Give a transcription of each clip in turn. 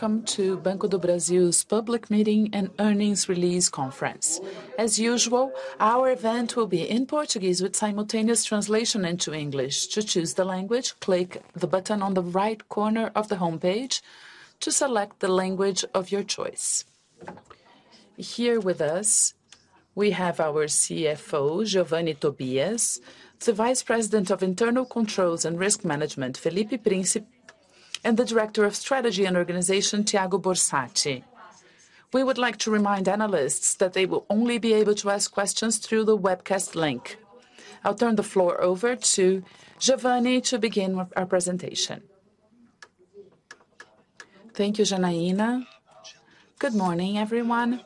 Welcome to Banco do Brasil's public meeting and earnings release conference. As usual, our event will be in Portuguese with simultaneous translation into English. To choose the language, click the button on the right corner of the homepage to select the language of your choice. Here with us, we have our CFO, Geovanne Tobias, the Vice President of Internal Controls and Risk Management, Felipe Prince, and the Director of Strategy and Organization, Thiago Borsari. We would like to remind analysts that they will only be able to ask questions through the webcast link. I'll turn the floor over to Giovani to begin with our presentation. Thank you, Janaína. Good morning, everyone.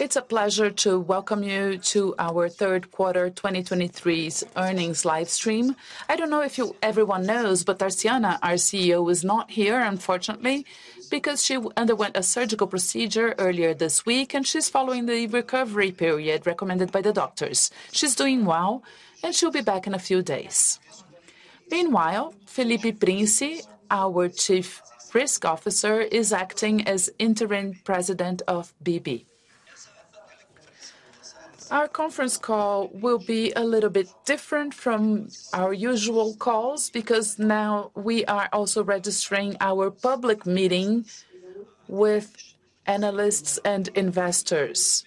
It's a pleasure to welcome you to our Q3 2023's earnings live stream. I don't know if you, everyone knows, but Tarciana, our CEO, is not here, unfortunately, because she underwent a surgical procedure earlier this week, and she's following the recovery period recommended by the doctors. She's doing well, and she'll be back in a few days. Meanwhile, Felipe Prince, our Chief Risk Officer, is acting as interim president of BB. Our conference call will be a little bit different from our usual calls, because now we are also registering our public meeting with analysts and investors.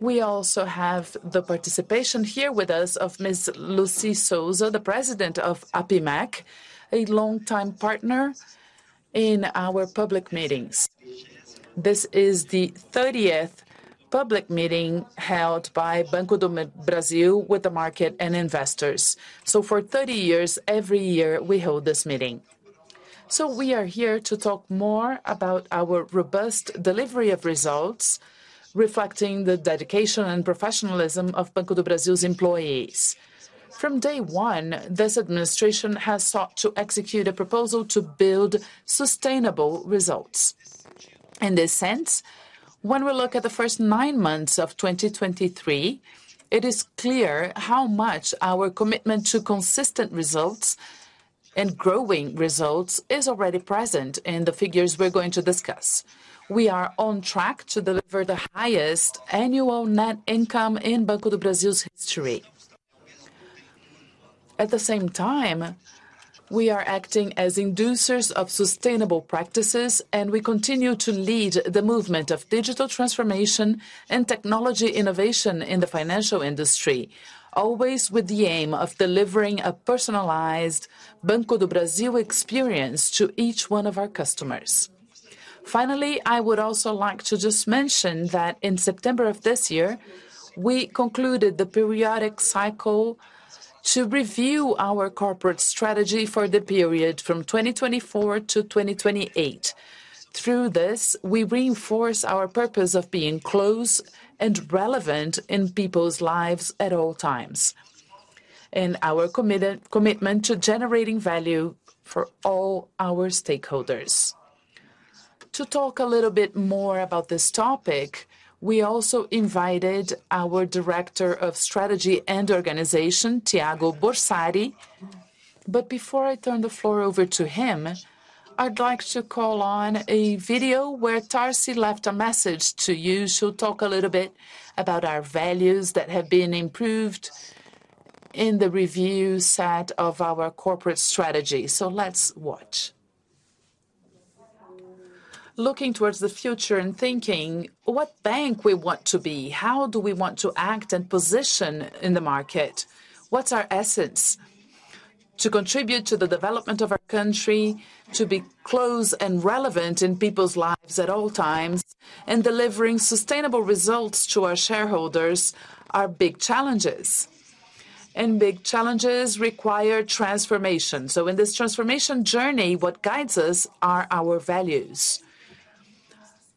We also have the participation here with us of Ms. Lucy Sousa, the President of APIMEC, a long-time partner in our public meetings. This is the 30th public meeting held by Banco do Brasil with the market and investors. For 30 years, every year, we hold this meeting. So we are here to talk more about our robust delivery of results, reflecting the dedication and professionalism of Banco do Brasil's employees. From day one, this administration has sought to execute a proposal to build sustainable results. In this sense, when we look at the first nine months of 2023, it is clear how much our commitment to consistent results and growing results is already present in the figures we're going to discuss. We are on track to deliver the highest annual net income in Banco do Brasil's history. At the same time, we are acting as inducers of sustainable practices, and we continue to lead the movement of digital transformation and technology innovation in the financial industry, always with the aim of delivering a personalized Banco do Brasil experience to each one of our customers. Finally, I would also like to just mention that in September of this year, we concluded the periodic cycle to review our corporate strategy for the period from 2024 to 2028. Through this, we reinforce our purpose of being close and relevant in people's lives at all times, and our commitment to generating value for all our stakeholders. To talk a little bit more about this topic, we also invited our Director of Strategy and Organization, Thiago Borsari. But before I turn the floor over to him, I'd like to call on a video where Tarciana left a message to you. She'll talk a little bit about our values that have been improved in the review set of our corporate strategy. So let's watch. Looking towards the future and thinking, what bank we want to be? How do we want to act and position in the market? What's our essence? To contribute to the development of our country, to be close and relevant in people's lives at all times, and delivering sustainable results to our shareholders are big challenges, and big challenges require transformation. So in this transformation journey, what guides us are our values.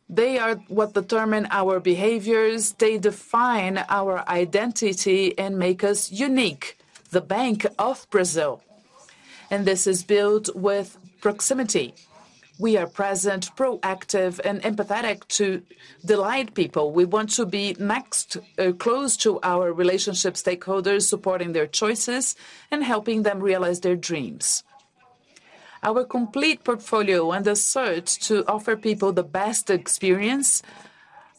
They are what determine our behaviors, they define our identity and make us unique, Banco do Brasil, and this is built with proximity. We are present, proactive, and empathetic to delight people. We want to be next, close to our relationship stakeholders, supporting their choices and helping them realize their dreams. Our complete portfolio and the search to offer people the best experience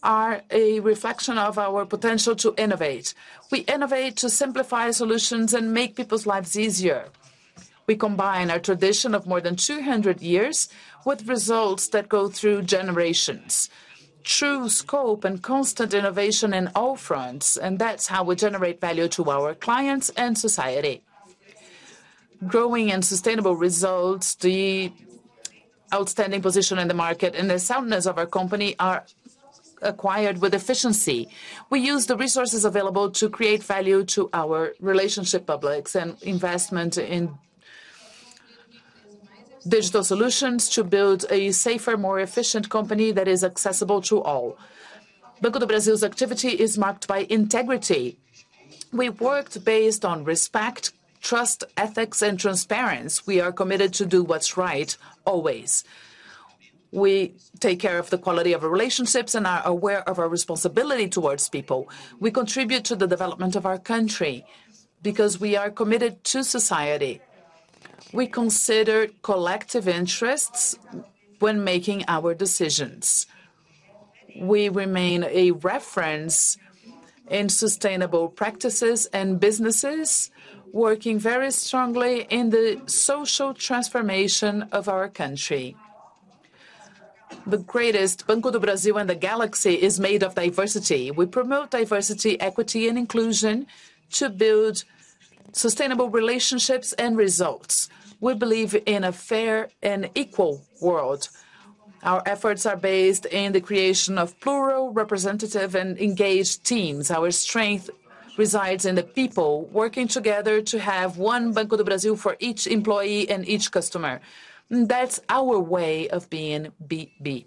are a reflection of our potential to innovate. We innovate to simplify solutions and make people's lives easier. We combine our tradition of more than 200 years with results that go through generations, true scope and constant innovation in all fronts, and that's how we generate value to our clients and society. Growing and sustainable results, the outstanding position in the market, and the soundness of our company are acquired with efficiency. We use the resources available to create value to our relationship publics and investment in digital solutions to build a safer, more efficient company that is accessible to all. Banco do Brasil's activity is marked by integrity. We've worked based on respect, trust, ethics, and transparency. We are committed to do what's right, always. We take care of the quality of our relationships and are aware of our responsibility towards people. We contribute to the development of our country.... because we are committed to society. We consider collective interests when making our decisions. We remain a reference in sustainable practices and businesses, working very strongly in the social transformation of our country. The greatest Banco do Brasil in the galaxy is made of diversity. We promote diversity, equity, and inclusion to build sustainable relationships and results. We believe in a fair and equal world. Our efforts are based in the creation of plural, representative, and engaged teams. Our strength resides in the people working together to have one Banco do Brasil for each employee and each customer. That's our way of being BB.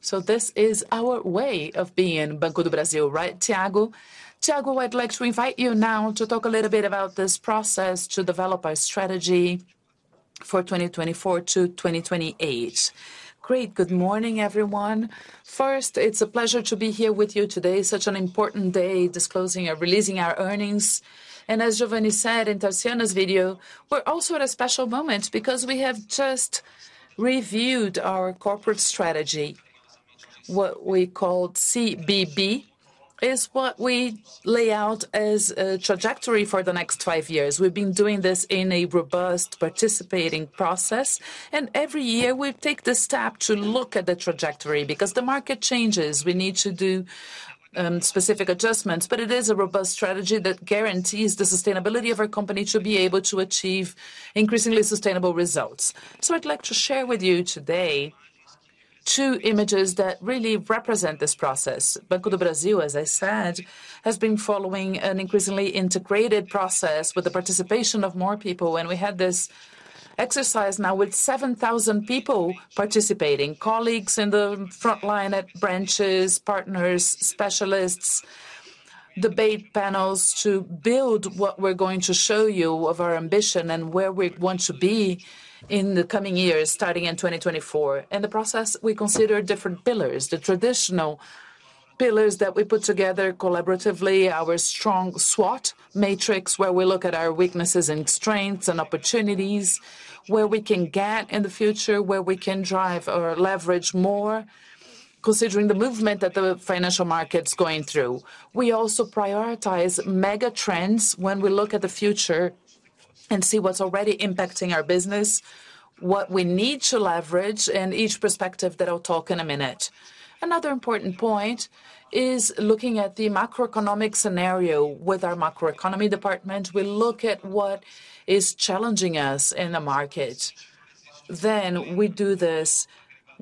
So this is our way of being Banco do Brasil, right, Thiago? Thiago, I'd like to invite you now to talk a little bit about this process to develop our strategy for 2024-2028. Great. Good morning, everyone. First, it's a pleasure to be here with you today, such an important day, disclosing or releasing our earnings. As Geovanne said in Tarciana's video, we're also at a special moment because we have just reviewed our corporate strategy. What we called ECBB is what we lay out as a trajectory for the next five years. We've been doing this in a robust, participating process, and every year we take the step to look at the trajectory, because the market changes. We need to do specific adjustments, but it is a robust strategy that guarantees the sustainability of our company to be able to achieve increasingly sustainable results. I'd like to share with you today two images that really represent this process. Banco do Brasil, as I said, has been following an increasingly integrated process with the participation of more people, and we had this exercise now with 7,000 people participating, colleagues in the frontline at branches, partners, specialists, debate panels, to build what we're going to show you of our ambition and where we want to be in the coming years, starting in 2024. In the process, we consider different pillars, the traditional pillars that we put together collaboratively, our strong SWOT matrix, where we look at our weaknesses and strengths and opportunities, where we can get in the future, where we can drive or leverage more, considering the movement that the financial market's going through. We also prioritize mega trends when we look at the future and see what's already impacting our business, what we need to leverage, and each perspective that I'll talk in a minute. Another important point is looking at the macroeconomic scenario with our macroeconomy department. We look at what is challenging us in the market. Then we do this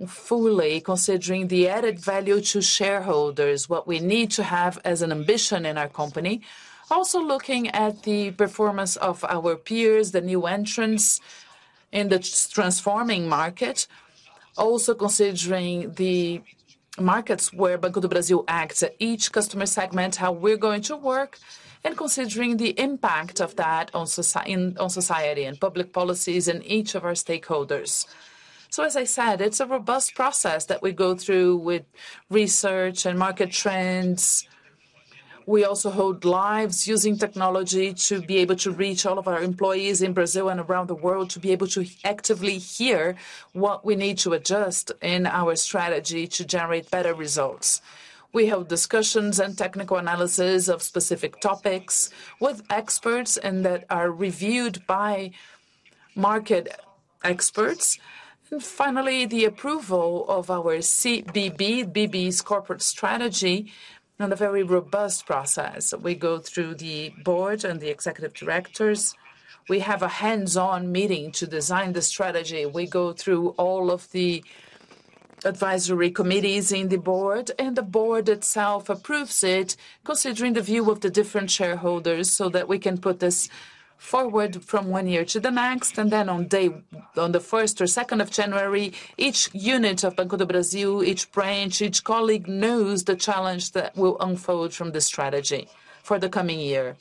fully, considering the added value to shareholders, what we need to have as an ambition in our company. Also, looking at the performance of our peers, the new entrants in the transforming market. Also, considering the markets where Banco do Brasil acts, each customer segment, how we're going to work, and considering the impact of that on society and public policies in each of our stakeholders. So, as I said, it's a robust process that we go through with research and market trends. We also hold live using technology to be able to reach all of our employees in Brazil and around the world, to be able to actively hear what we need to adjust in our strategy to generate better results. We hold discussions and technical analysis of specific topics with experts and that are reviewed by market experts. And finally, the approval of our ECBB, BB's corporate strategy, on a very robust process. We go through the board and the executive directors. We have a hands-on meeting to design the strategy. We go through all of the advisory committees in the board, and the board itself approves it, considering the view of the different shareholders, so that we can put this forward from one year to the next. And then on day... On the first or second of January, each unit of Banco do Brasil, each branch, each colleague, knows the challenge that will unfold from this strategy for the coming year.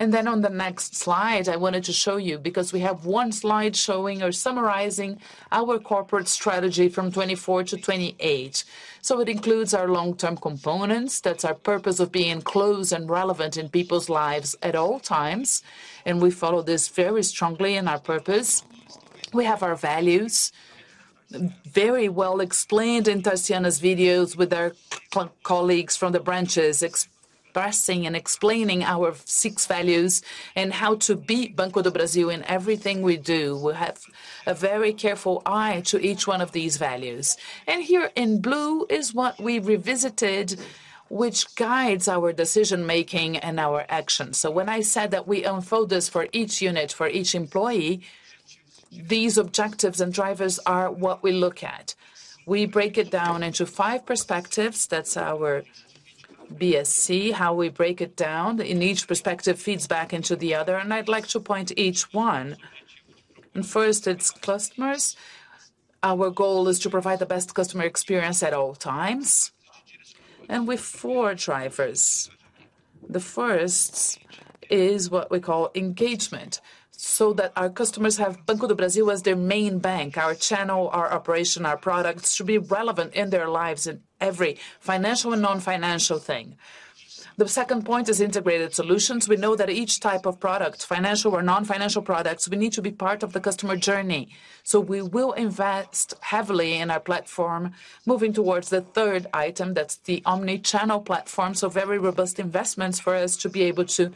And then on the next slide, I wanted to show you, because we have one slide showing or summarizing our corporate strategy from 2024 to 2028. So it includes our long-term components. That's our purpose of being close and relevant in people's lives at all times, and we follow this very strongly in our purpose. We have our values, very well explained in Tarciana's videos, with our colleagues from the branches, expressing and explaining our six values and how to be Banco do Brasil in everything we do. We have a very careful eye to each one of these values. And here in blue is what we revisited, which guides our decision-making and our actions. So when I said that we unfold this for each unit, for each employee, these objectives and drivers are what we look at. We break it down into five perspectives. That's our BSC, how we break it down, and each perspective feeds back into the other, and I'd like to point each one. First, it's customers. Our goal is to provide the best customer experience at all times, and with four drivers.... The first is what we call engagement, so that our customers have Banco do Brasil as their main bank. Our channel, our operation, our products should be relevant in their lives in every financial and non-financial thing. The second point is integrated solutions. We know that each type of product, financial or non-financial products, we need to be part of the customer journey. So we will invest heavily in our platform, moving towards the third item, that's the omni-channel platform. Very robust investments for us to be able to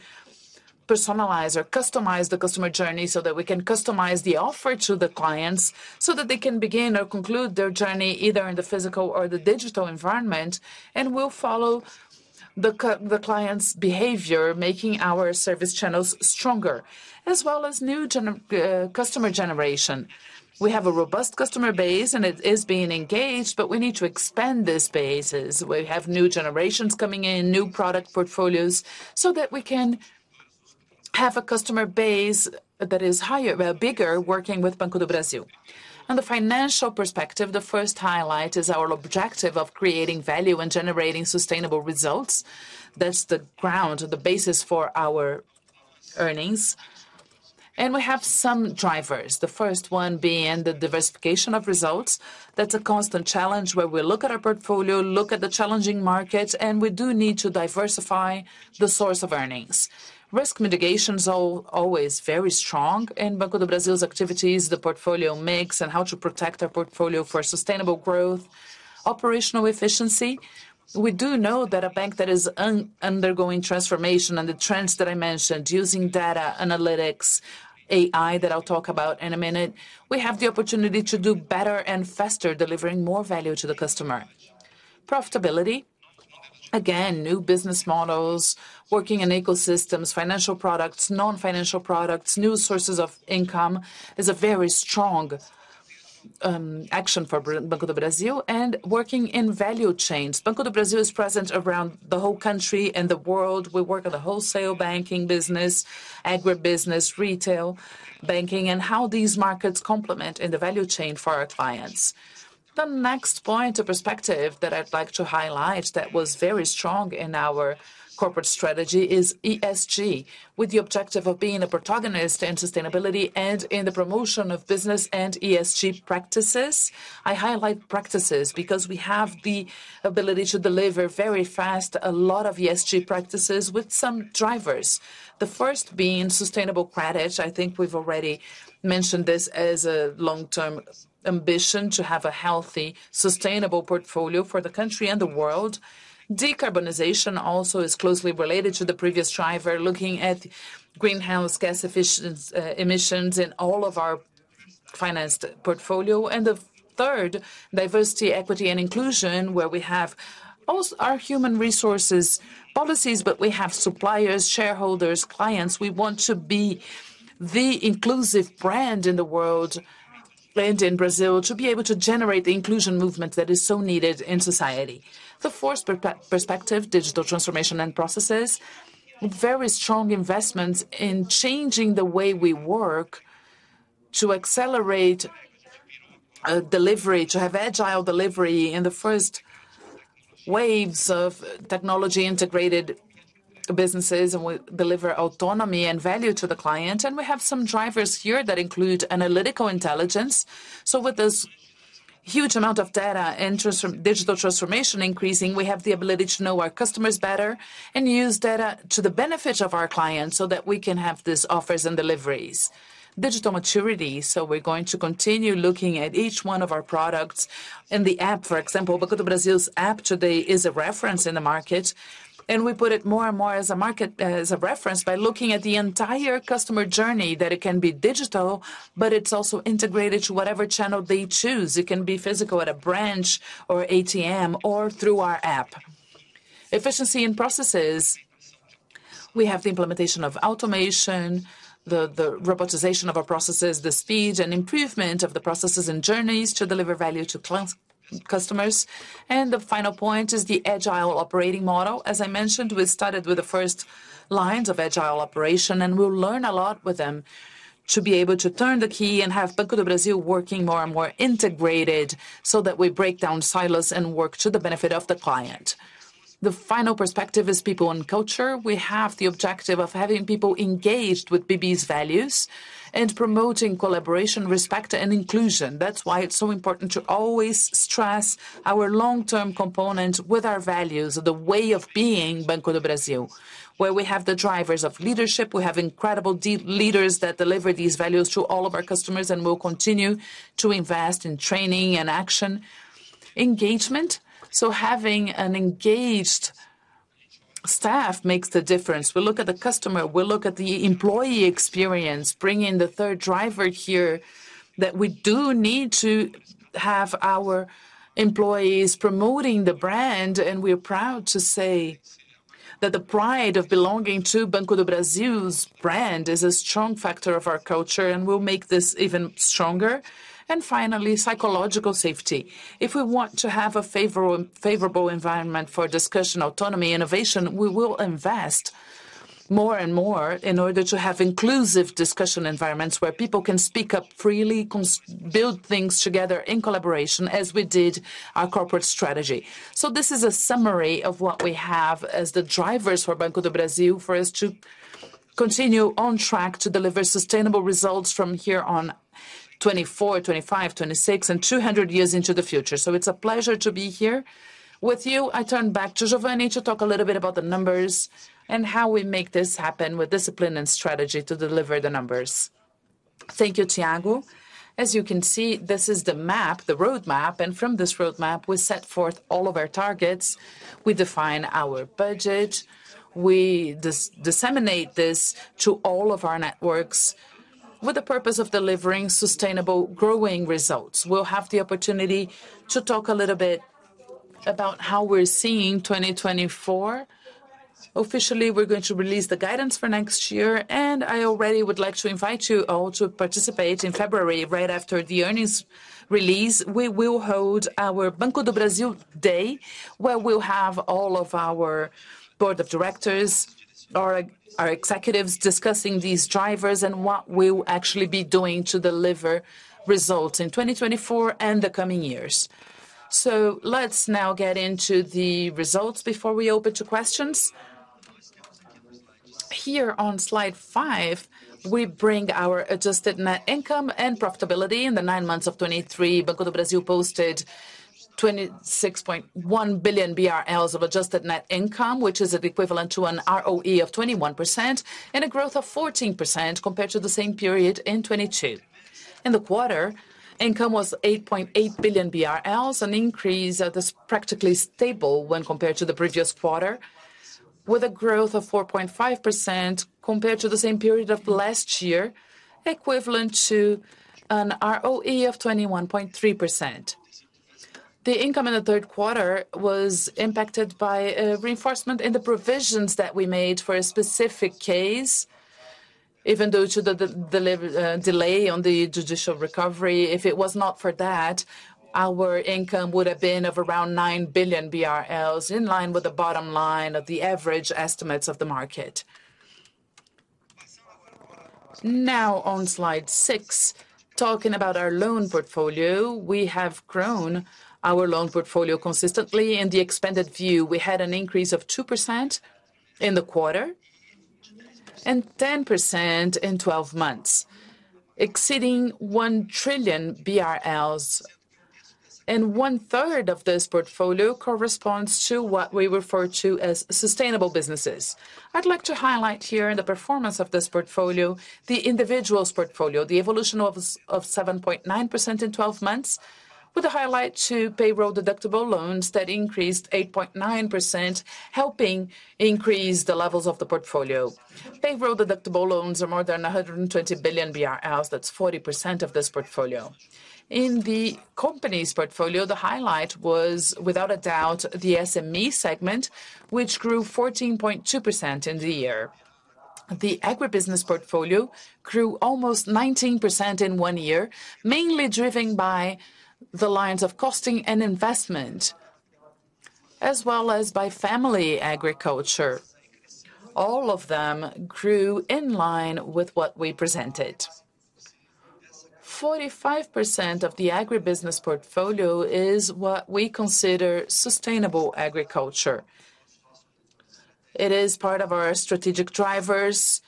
personalize or customize the customer journey, so that we can customize the offer to the clients, so that they can begin or conclude their journey, either in the physical or the digital environment, and we'll follow the client's behavior, making our service channels stronger, as well as new gen customer generation. We have a robust customer base, and it is being engaged, but we need to expand these bases. We have new generations coming in, new product portfolios, so that we can have a customer base that is higher, bigger, working with Banco do Brasil. On the financial perspective, the first highlight is our objective of creating value and generating sustainable results. That's the ground or the basis for our earnings. We have some drivers, the first one being the diversification of results. That's a constant challenge, where we look at our portfolio, look at the challenging markets, and we do need to diversify the source of earnings. Risk mitigation is always very strong in Banco do Brasil's activities, the portfolio mix, and how to protect our portfolio for sustainable growth. Operational efficiency, we do know that a bank that is undergoing transformation and the trends that I mentioned, using data, analytics, AI, that I'll talk about in a minute, we have the opportunity to do better and faster, delivering more value to the customer. Profitability, again, new business models, working in ecosystems, financial products, non-financial products, new sources of income, is a very strong action for Banco do Brasil, and working in value chains. Banco do Brasil is present around the whole country and the world. We work at the wholesale banking business, agribusiness, retail banking, and how these markets complement in the value chain for our clients. The next point of perspective that I'd like to highlight that was very strong in our corporate strategy is ESG, with the objective of being a protagonist in sustainability and in the promotion of business and ESG practices. I highlight practices because we have the ability to deliver very fast a lot of ESG practices with some drivers. The first being sustainable credit. I think we've already mentioned this as a long-term ambition to have a healthy, sustainable portfolio for the country and the world. Decarbonization also is closely related to the previous driver, looking at greenhouse gas efficiency, emissions in all of our financed portfolio. And the third, diversity, equity, and inclusion, where we have also our human resources policies, but we have suppliers, shareholders, clients. We want to be the inclusive brand in the world, brand in Brazil, to be able to generate the inclusion movement that is so needed in society. The fourth perspective, digital transformation and processes. Very strong investments in changing the way we work to accelerate delivery, to have agile delivery in the first waves of technology-integrated businesses, and we deliver autonomy and value to the client. And we have some drivers here that include analytical intelligence. So with this huge amount of data and digital transformation increasing, we have the ability to know our customers better and use data to the benefit of our clients, so that we can have these offers and deliveries. Digital maturity, so we're going to continue looking at each one of our products in the app. For example, Banco do Brasil's app today is a reference in the market, and we put it more and more as a market as a reference by looking at the entire customer journey, that it can be digital, but it's also integrated to whatever channel they choose. It can be physical at a branch or ATM or through our app. Efficiency in processes, we have the implementation of automation, the robotization of our processes, the speed and improvement of the processes and journeys to deliver value to customers. And the final point is the agile operating model. As I mentioned, we started with the first lines of agile operation, and we'll learn a lot with them to be able to turn the key and have Banco do Brasil working more and more integrated, so that we break down silos and work to the benefit of the client. The final perspective is people and culture. We have the objective of having people engaged with BB's values and promoting collaboration, respect, and inclusion. That's why it's so important to always stress our long-term component with our values, the way of being Banco do Brasil, where we have the drivers of leadership, we have incredible leaders that deliver these values to all of our customers, and we'll continue to invest in training and action. Engagement, so having an engaged staff makes the difference. We look at the customer, we look at the employee experience, bringing the third driver here, that we do need to have our employees promoting the brand. And we are proud to say that the pride of belonging to Banco do Brasil's brand is a strong factor of our culture and will make this even stronger. And finally, psychological safety. If we want to have a favorable, favorable environment for discussion, autonomy, innovation, we will invest more and more in order to have inclusive discussion environments where people can speak up freely, build things together in collaboration, as we did our corporate strategy. So this is a summary of what we have as the drivers for Banco do Brasil, for us to continue on track to deliver sustainable results from here on 2024, 2025, 2026, and 200 years into the future. So it's a pleasure to be here with you. I turn back to Geovanne, to talk a little bit about the numbers, and how we make this happen with discipline and strategy to deliver the numbers. Thank you, Thiago. As you can see, this is the map, the roadmap, and from this roadmap, we set forth all of our targets. We define our budget. We disseminate this to all of our networks with the purpose of delivering sustainable growing results. We'll have the opportunity to talk a little bit about how we're seeing 2024. Officially, we're going to release the guidance for next year, and I already would like to invite you all to participate in February. Right after the earnings release, we will hold our Banco do Brasil day, where we'll have all of our board of directors, or our executives discussing these drivers and what we will actually be doing to deliver results in 2024 and the coming years. So let's now get into the results before we open to questions. Here on slide 5, we bring our adjusted net income and profitability. In the nine months of 2023, Banco do Brasil posted 26.1 billion BRL of adjusted net income, which is equivalent to an ROE of 21%, and a growth of 14% compared to the same period in 2022. In the quarter, income was 8.8 billion BRL, an increase that is practically stable when compared to the previous quarter, with a growth of 4.5% compared to the same period of last year, equivalent to an ROE of 21.3%. The income in the Q3 was impacted by reinforcement in the provisions that we made for a specific case, even though to the delay on the judicial recovery. If it was not for that, our income would have been of around 9 billion BRL, in line with the bottom line of the average estimates of the market. Now, on slide 6, talking about our loan portfolio. We have grown our loan portfolio consistently. In the expanded view, we had an increase of 2% in the quarter, and 10% in 12 months, exceeding 1 trillion BRL, and one-third of this portfolio corresponds to what we refer to as sustainable businesses. I'd like to highlight here in the performance of this portfolio, the individuals portfolio, the evolution of 7.9% in 12 months, with a highlight to payroll-deductible loans that increased 8.9%, helping increase the levels of the portfolio. Payroll-deductible loans are more than 120 billion BRL. That's 40% of this portfolio. In the companies portfolio, the highlight was, without a doubt, the SME segment, which grew 14.2% in the year. The agribusiness portfolio grew almost 19% in 1 year, mainly driven by the lines of costing and investment, as well as by family agriculture. All of them grew in line with what we presented. 45% of the agribusiness portfolio is what we consider sustainable agriculture. It is part of our strategic drivers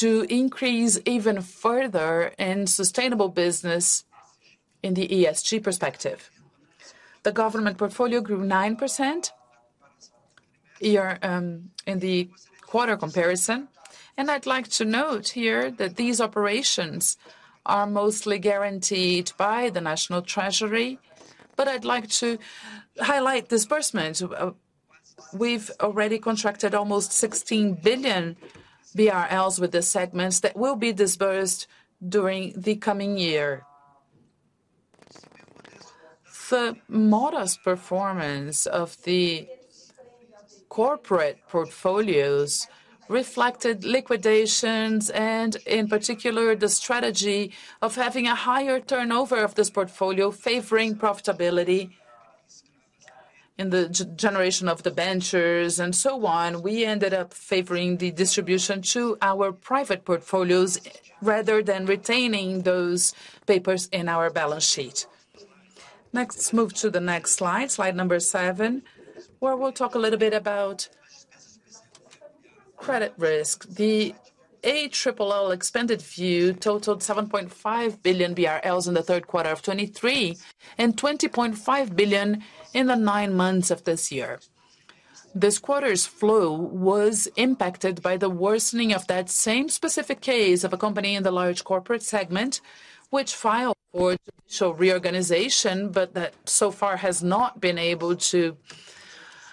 to increase even further in sustainable business in the ESG perspective. The government portfolio grew 9% year-over-year in the quarter-over-quarter comparison, and I'd like to note here that these operations are mostly guaranteed by the National Treasury, but I'd like to highlight disbursement. We've already contracted almost 16 billion BRL with the segments that will be disbursed during the coming year. The modest performance of the corporate portfolios reflected liquidations, and in particular, the strategy of having a higher turnover of this portfolio, favoring profitability in the generation of debentures and so on. We ended up favoring the distribution to our private portfolios, rather than retaining those papers in our balance sheet. Next, move to the next slide, slide number 7, where we'll talk a little bit about credit risk. The ALLL expanded view totaled 7.5 billion BRL in the Q3 of 2023, and 20.5 billion in the nine months of this year. This quarter's flow was impacted by the worsening of that same specific case of a company in the large corporate segment, which filed for judicial reorganization, but that so far has not been able to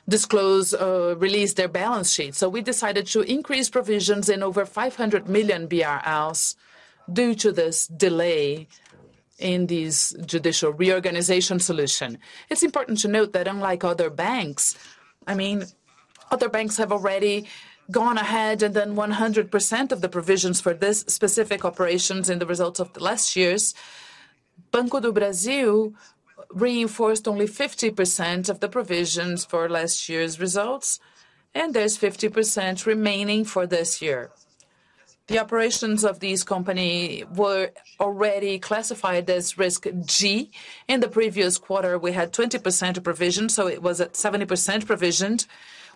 disclose or release their balance sheet. So we decided to increase provisions in over 500 million BRL due to this delay in this judicial reorganization solution. It's important to note that unlike other banks, I mean, other banks have already gone ahead and done 100% of the provisions for this specific operations in the results of the last years.... Banco do Brasil reinforced only 50% of the provisions for last year's results, and there's 50% remaining for this year. The operations of this company were already classified as risk G. In the previous quarter, we had 20% of provision, so it was at 70% provisioned.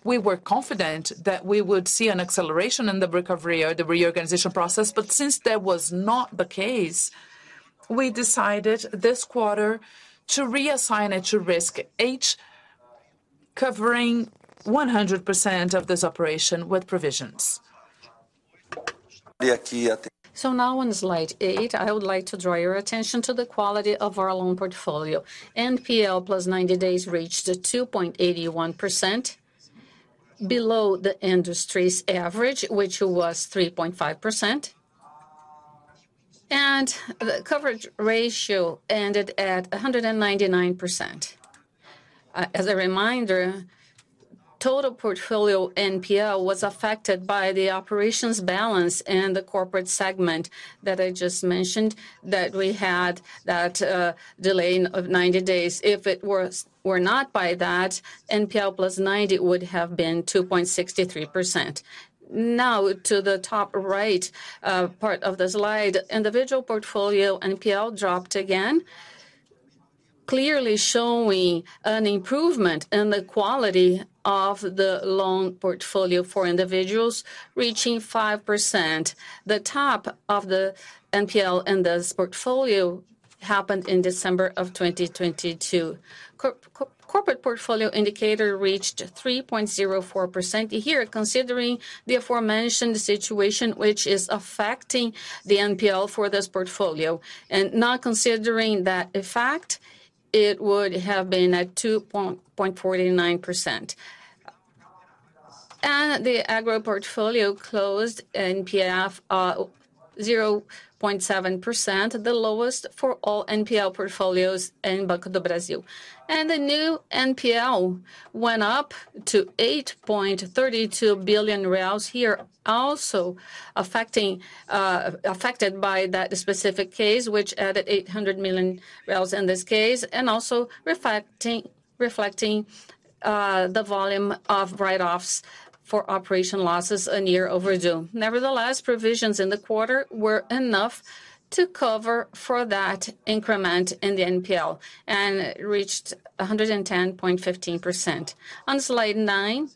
We were confident that we would see an acceleration in the recovery or the reorganization process, but since that was not the case, we decided this quarter to reassign it to risk H, covering 100% of this operation with provisions. So now on slide 8, I would like to draw your attention to the quality of our loan portfolio. NPL plus 90 days reached a 2.81%, below the industry's average, which was 3.5%, and the coverage ratio ended at a 199%. As a reminder, total portfolio NPL was affected by the operations balance and the corporate segment that I just mentioned, that we had that delay of 90 days. If it were not by that, NPL plus ninety would have been 2.63%. Now, to the top right part of the slide, individual portfolio NPL dropped again, clearly showing an improvement in the quality of the loan portfolio for individuals, reaching 5%. The top of the NPL in this portfolio happened in December of 2022. Corporate portfolio indicator reached 3.04% here, considering the aforementioned situation, which is affecting the NPL for this portfolio. And not considering that effect, it would have been at 2.49%. The agro portfolio closed NPL 0.7%, the lowest for all NPL portfolios in Banco do Brasil. The new NPL went up to 8.32 billion reais, also affected by that specific case, which added 800 million in this case, and also reflecting the volume of write-offs for operation losses on year over due. Nevertheless, provisions in the quarter were enough to cover for that increment in the NPL, and it reached 110.15%. On slide 9,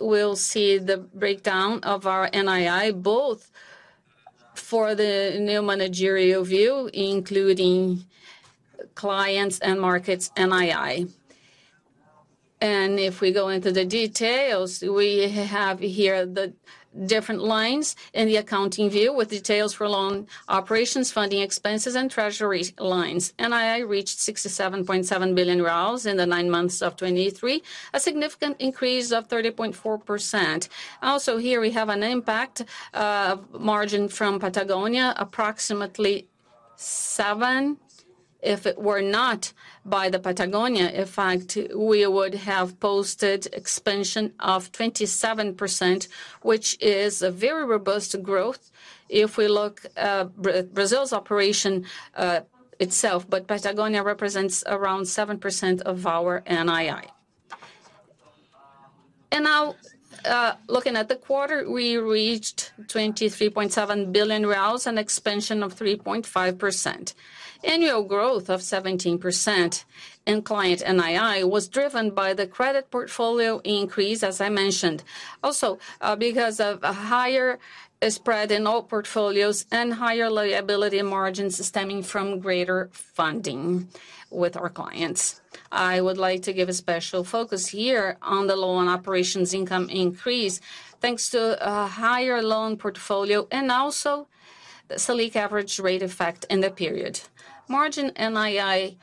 we'll see the breakdown of our NII, both for the new managerial view, including clients and markets NII. And if we go into the details, we have here the different lines in the accounting view, with details for loan operations, funding expenses, and treasury lines. NII reached BRL 67.7 billion in the nine months of 2023, a significant increase of 30.4%. Also, here we have an impact, margin from Patagonia, approximately 7. If it were not by the Patagonia effect, we would have posted expansion of 27%, which is a very robust growth if we look, Brazil's operation, itself, but Patagonia represents around 7% of our NII. And now, looking at the quarter, we reached BRL 23.7 billion, an expansion of 3.5%. Annual growth of 17% in client NII was driven by the credit portfolio increase, as I mentioned. Also, because of a higher spread in all portfolios and higher liability margins stemming from greater funding with our clients. I would like to give a special focus here on the loan operations income increase, thanks to a higher loan portfolio and also the Selic average rate effect in the period. Margin NII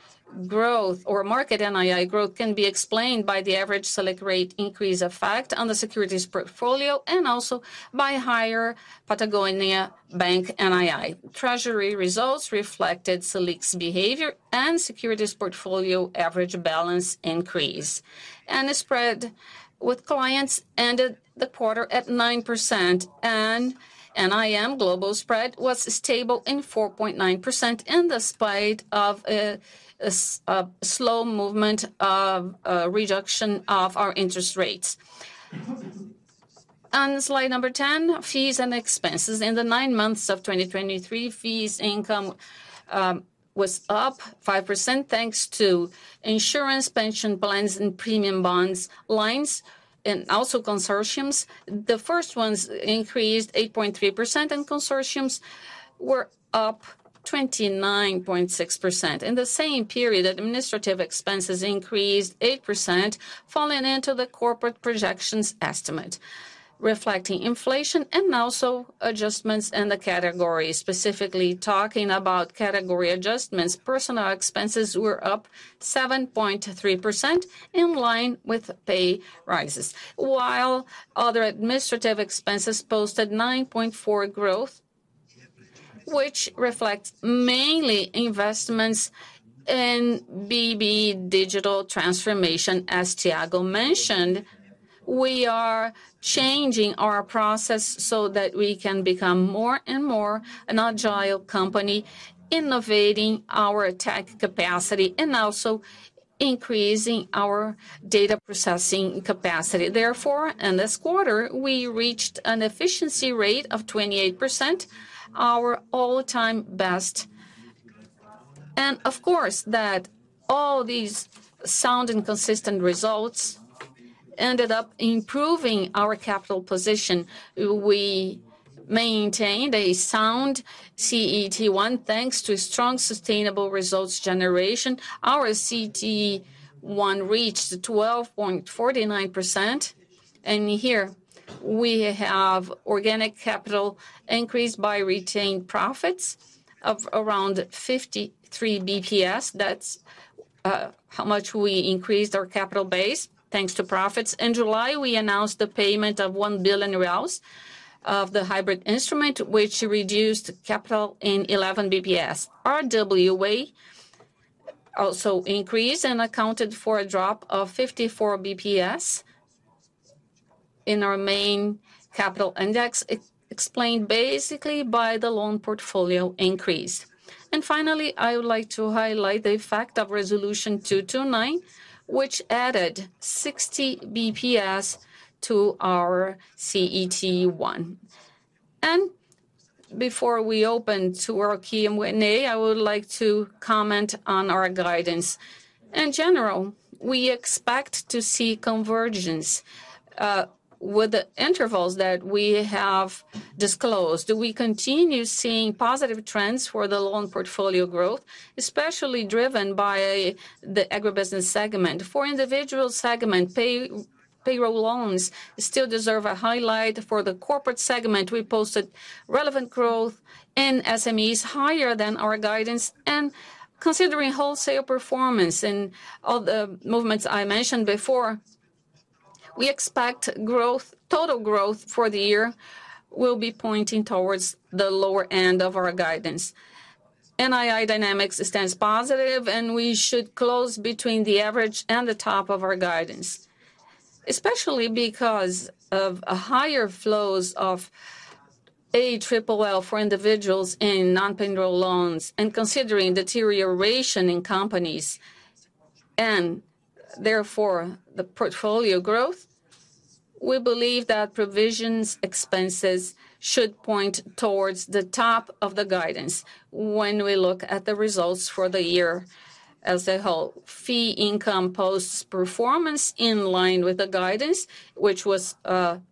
growth or market NII growth can be explained by the average Selic rate increase effect on the securities portfolio and also by higher Patagonia Bank NII. Treasury results reflected Selic's behavior and securities portfolio average balance increase. The spread with clients ended the quarter at 9%, and NIM global spread was stable at 4.9%, in spite of a slow movement of reduction of our interest rates. On slide number 10, fees and expenses. In the nine months of 2023, fees income was up 5%, thanks to insurance, pension plans, and premium bonds lines, and also consortiums. The first ones increased 8.3%, and consortiums were up 29.6%. In the same period, administrative expenses increased 8%, falling into the corporate projections estimate, reflecting inflation and also adjustments in the category. Specifically talking about category adjustments, personnel expenses were up 7.3%, in line with pay rises, while other administrative expenses posted 9.4% growth, which reflects mainly investments in BB digital transformation, as Tiago mentioned. We are changing our process so that we can become more and more an agile company, innovating our tech capacity, and also increasing our data processing capacity. Therefore, in this quarter, we reached an efficiency rate of 28%, our all-time best. Of course, that all these sound and consistent results ended up improving our capital position. We maintained a sound CET1, thanks to strong, sustainable results generation. Our CET1 reached 12.49%, and here we have organic capital increase by retained profits of around 53 basis points. That's how much we increased our capital base, thanks to profits. In July, we announced the payment of 1 billion reais of the hybrid instrument, which reduced capital in 11 basis points. RWA also increased and accounted for a drop of 54 basis points in our main capital index, explained basically by the loan portfolio increase. And finally, I would like to highlight the effect of Resolution 229, which added 60 basis points to our CET1. And before we open to our Q&A, I would like to comment on our guidance. In general, we expect to see convergence with the intervals that we have disclosed. We continue seeing positive trends for the loan portfolio growth, especially driven by the agribusiness segment. For individual segment, payroll loans still deserve a highlight. For the corporate segment, we posted relevant growth, and SMEs higher than our guidance. And considering wholesale performance and all the movements I mentioned before, we expect growth... total growth for the year will be pointing towards the lower end of our guidance. NII dynamics stands positive, and we should close between the average and the top of our guidance, especially because of a higher flows of ALLL for individuals in non-payroll loans. And considering deterioration in companies and therefore the portfolio growth, we believe that provisions expenses should point towards the top of the guidance when we look at the results for the year as a whole. Fee income posts performance in line with the guidance, which was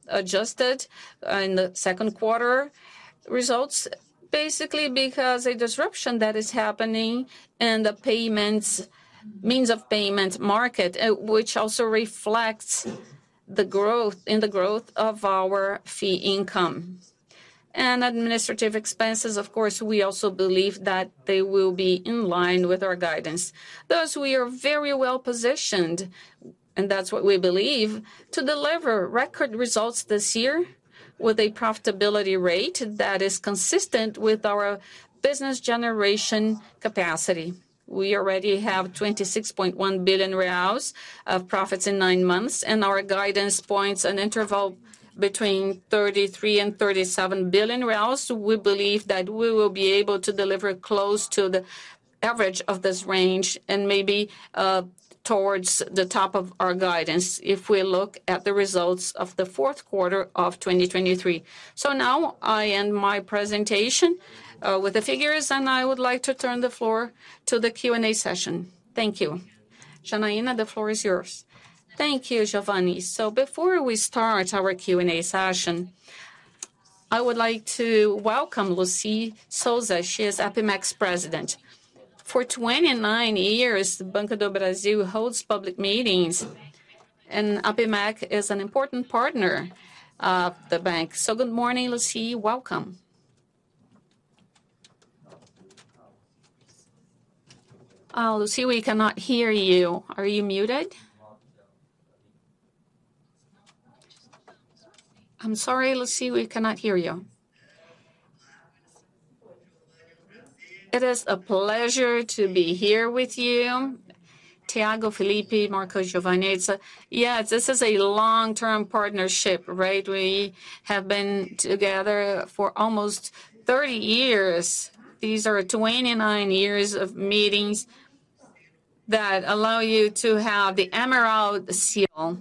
adjusted in the second quarter results, basically, because a disruption that is happening in the payments, means of payments market, which also reflects the growth, in the growth of our fee income. Administrative expenses, of course, we also believe that they will be in line with our guidance. Thus, we are very well-positioned, and that's what we believe, to deliver record results this year with a profitability rate that is consistent with our business generation capacity. We already have 26.1 billion reais of profits in nine months, and our guidance points an interval between 33 billion-37 billion reais. We believe that we will be able to deliver close to the average of this range and maybe towards the top of our guidance, if we look at the results of the fourth quarter of 2023. So now I end my presentation with the figures, and I would like to turn the floor to the Q&A session. Thank you. Janaína, the floor is yours. Thank you, Geovanne. So before we start our Q&A session, I would like to welcome Lucy Sousa. She is APIMEC's president. For 29 years, Banco do Brasil holds public meetings, and APIMEC is an important partner of the bank. So good morning, Lucy. Welcome. Oh, Lucy, we cannot hear you. Are you muted? I'm sorry, Lucy, we cannot hear you. It is a pleasure to be here with you, Thiago, Felipe, Marco, Geovanne. So yeah, this is a long-term partnership, right? We have been together for almost 30 years. These are 29 years of meetings that allow you to have the Emerald seal.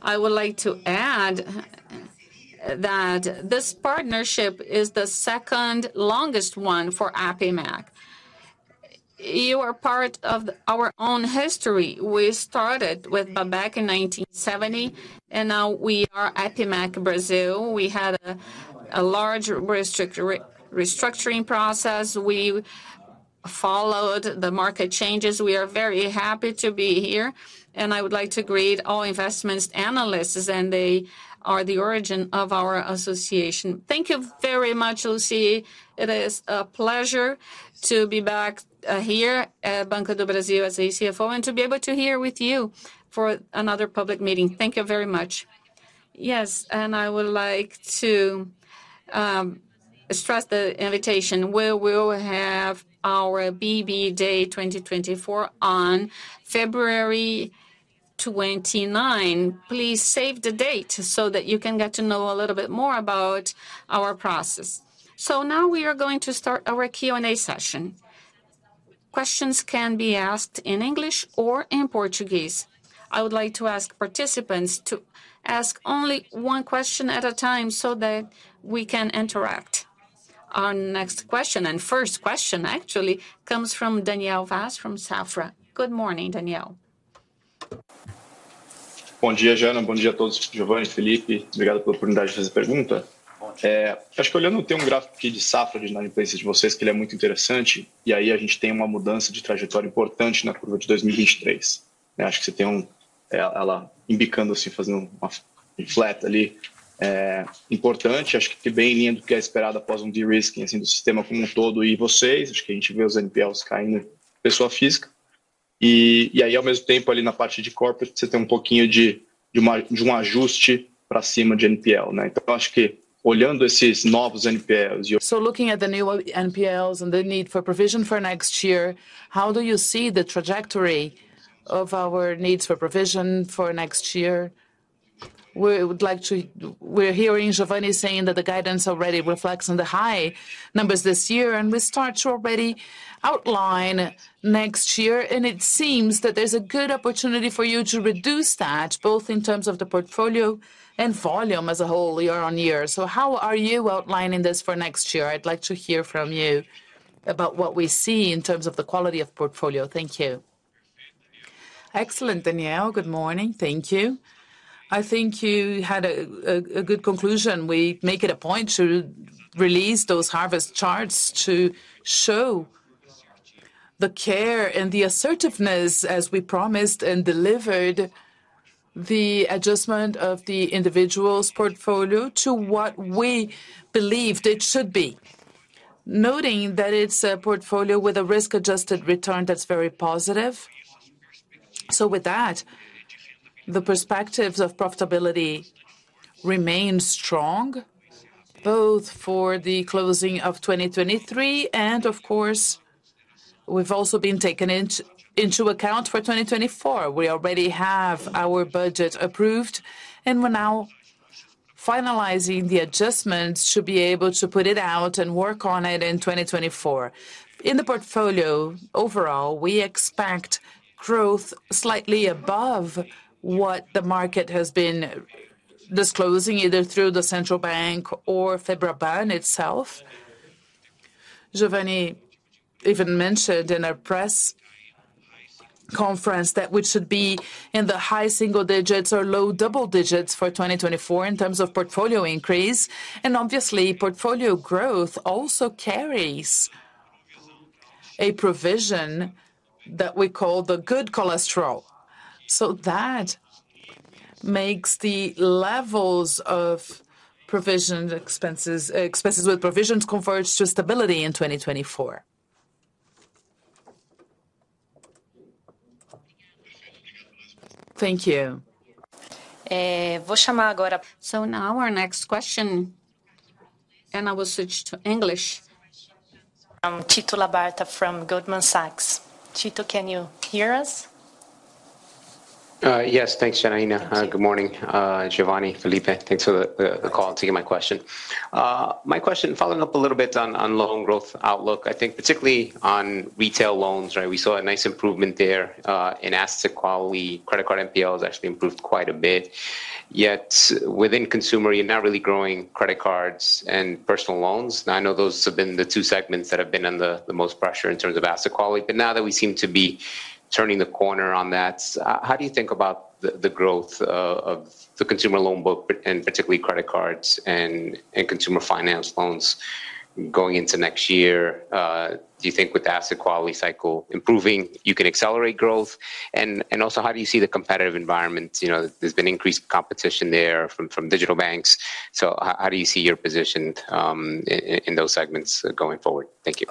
I would like to add that this partnership is the second longest one for Apimec. You are part of our own history. We started with Abamec in 1970, and now we are Apimec Brazil. We had a large restructuring process. We followed the market changes. We are very happy to be here, and I would like to greet all investments analysts, and they are the origin of our association. Thank you very much, Lucy. It is a pleasure to be back here at Banco do Brasil as a CFO, and to be able to hear with you for another public meeting. Thank you very much. Yes, and I would like to-... stress the invitation, where we'll have our BB Day 2024 on February 29. Please save the date, so that you can get to know a little bit more about our process. So now we are going to start our Q&A session. Questions can be asked in English or in Portuguese. I would like to ask participants to ask only one question at a time, so that we can interact. Our next question, and first question actually, comes from Daniel Vaz from Safra. Good morning, Daniel. Good day, Jana. Good day to all, Geovanne, Felipe. Thank you for the opportunity to ask the question. I think looking at the graph here from Safra, from your presentation, it is very interesting, and we have a significant change in trajectory in the 2023 curve. I think you have it curving like that, making a flat there, important. I think it's in line with what was expected after a de-risking, so, of the system as a whole, and you, I think we see the NPLs falling in physical person. And at the same time, in the corporate part, you have a little bit of an adjustment upwards of NPL, right? So I think looking at these new NPLs and- So looking at the new NPLs and the need for provision for next year, how do you see the trajectory of our needs for provision for next year? We would like to... We're hearing Geovanne saying that the guidance already reflects on the high numbers this year, and we start to already outline next year, and it seems that there's a good opportunity for you to reduce that, both in terms of the portfolio and volume as a whole, year on year. So how are you outlining this for next year? I'd like to hear from you about what we see in terms of the quality of portfolio. Thank you. Excellent, Daniel. Good morning. Thank you. I think you had a good conclusion. We make it a point to release those harvest charts to show the care and the assertiveness, as we promised and delivered, the adjustment of the individuals' portfolio to what we believed it should be. Noting that it's a portfolio with a risk-adjusted return that's very positive. So with that, the perspectives of profitability remain strong, both for the closing of 2023, and of course, we've also been taken into account for 2024. We already have our budget approved, and we're now finalizing the adjustments to be able to put it out and work on it in 2024. In the portfolio, overall, we expect growth slightly above what the market has been disclosing, either through the central bank or Febraban itself. Geovanne even mentioned in a press conference that we should be in the high single digits or low double digits for 2024 in terms of portfolio increase, and obviously, portfolio growth also carries a provision that we call the good cholesterol. So that makes the levels of provisioned expenses, expenses with provisions, converge to stability in 2024. Thank you. Now our next question, and I will switch to English, Tito Labarta from Goldman Sachs. Tito, can you hear us? Yes. Thanks, Janaína. Good morning, Geovanne, Felipe. Thanks for the call to get my question. My question, following up a little bit on loan growth outlook, I think particularly on retail loans, right? We saw a nice improvement there in asset quality. Credit card NPL has actually improved quite a bit. Yet, within consumer, you're not really growing credit cards and personal loans. Now, I know those have been the two segments that have been under the most pressure in terms of asset quality, but now that we seem to be turning the corner on that, how do you think about the growth of the consumer loan book, and particularly credit cards and consumer finance loans going into next year? Do you think with the asset quality cycle improving, you can accelerate growth? Also, how do you see the competitive environment? You know, there's been increased competition there from digital banks. So how do you see your position in those segments going forward? Thank you.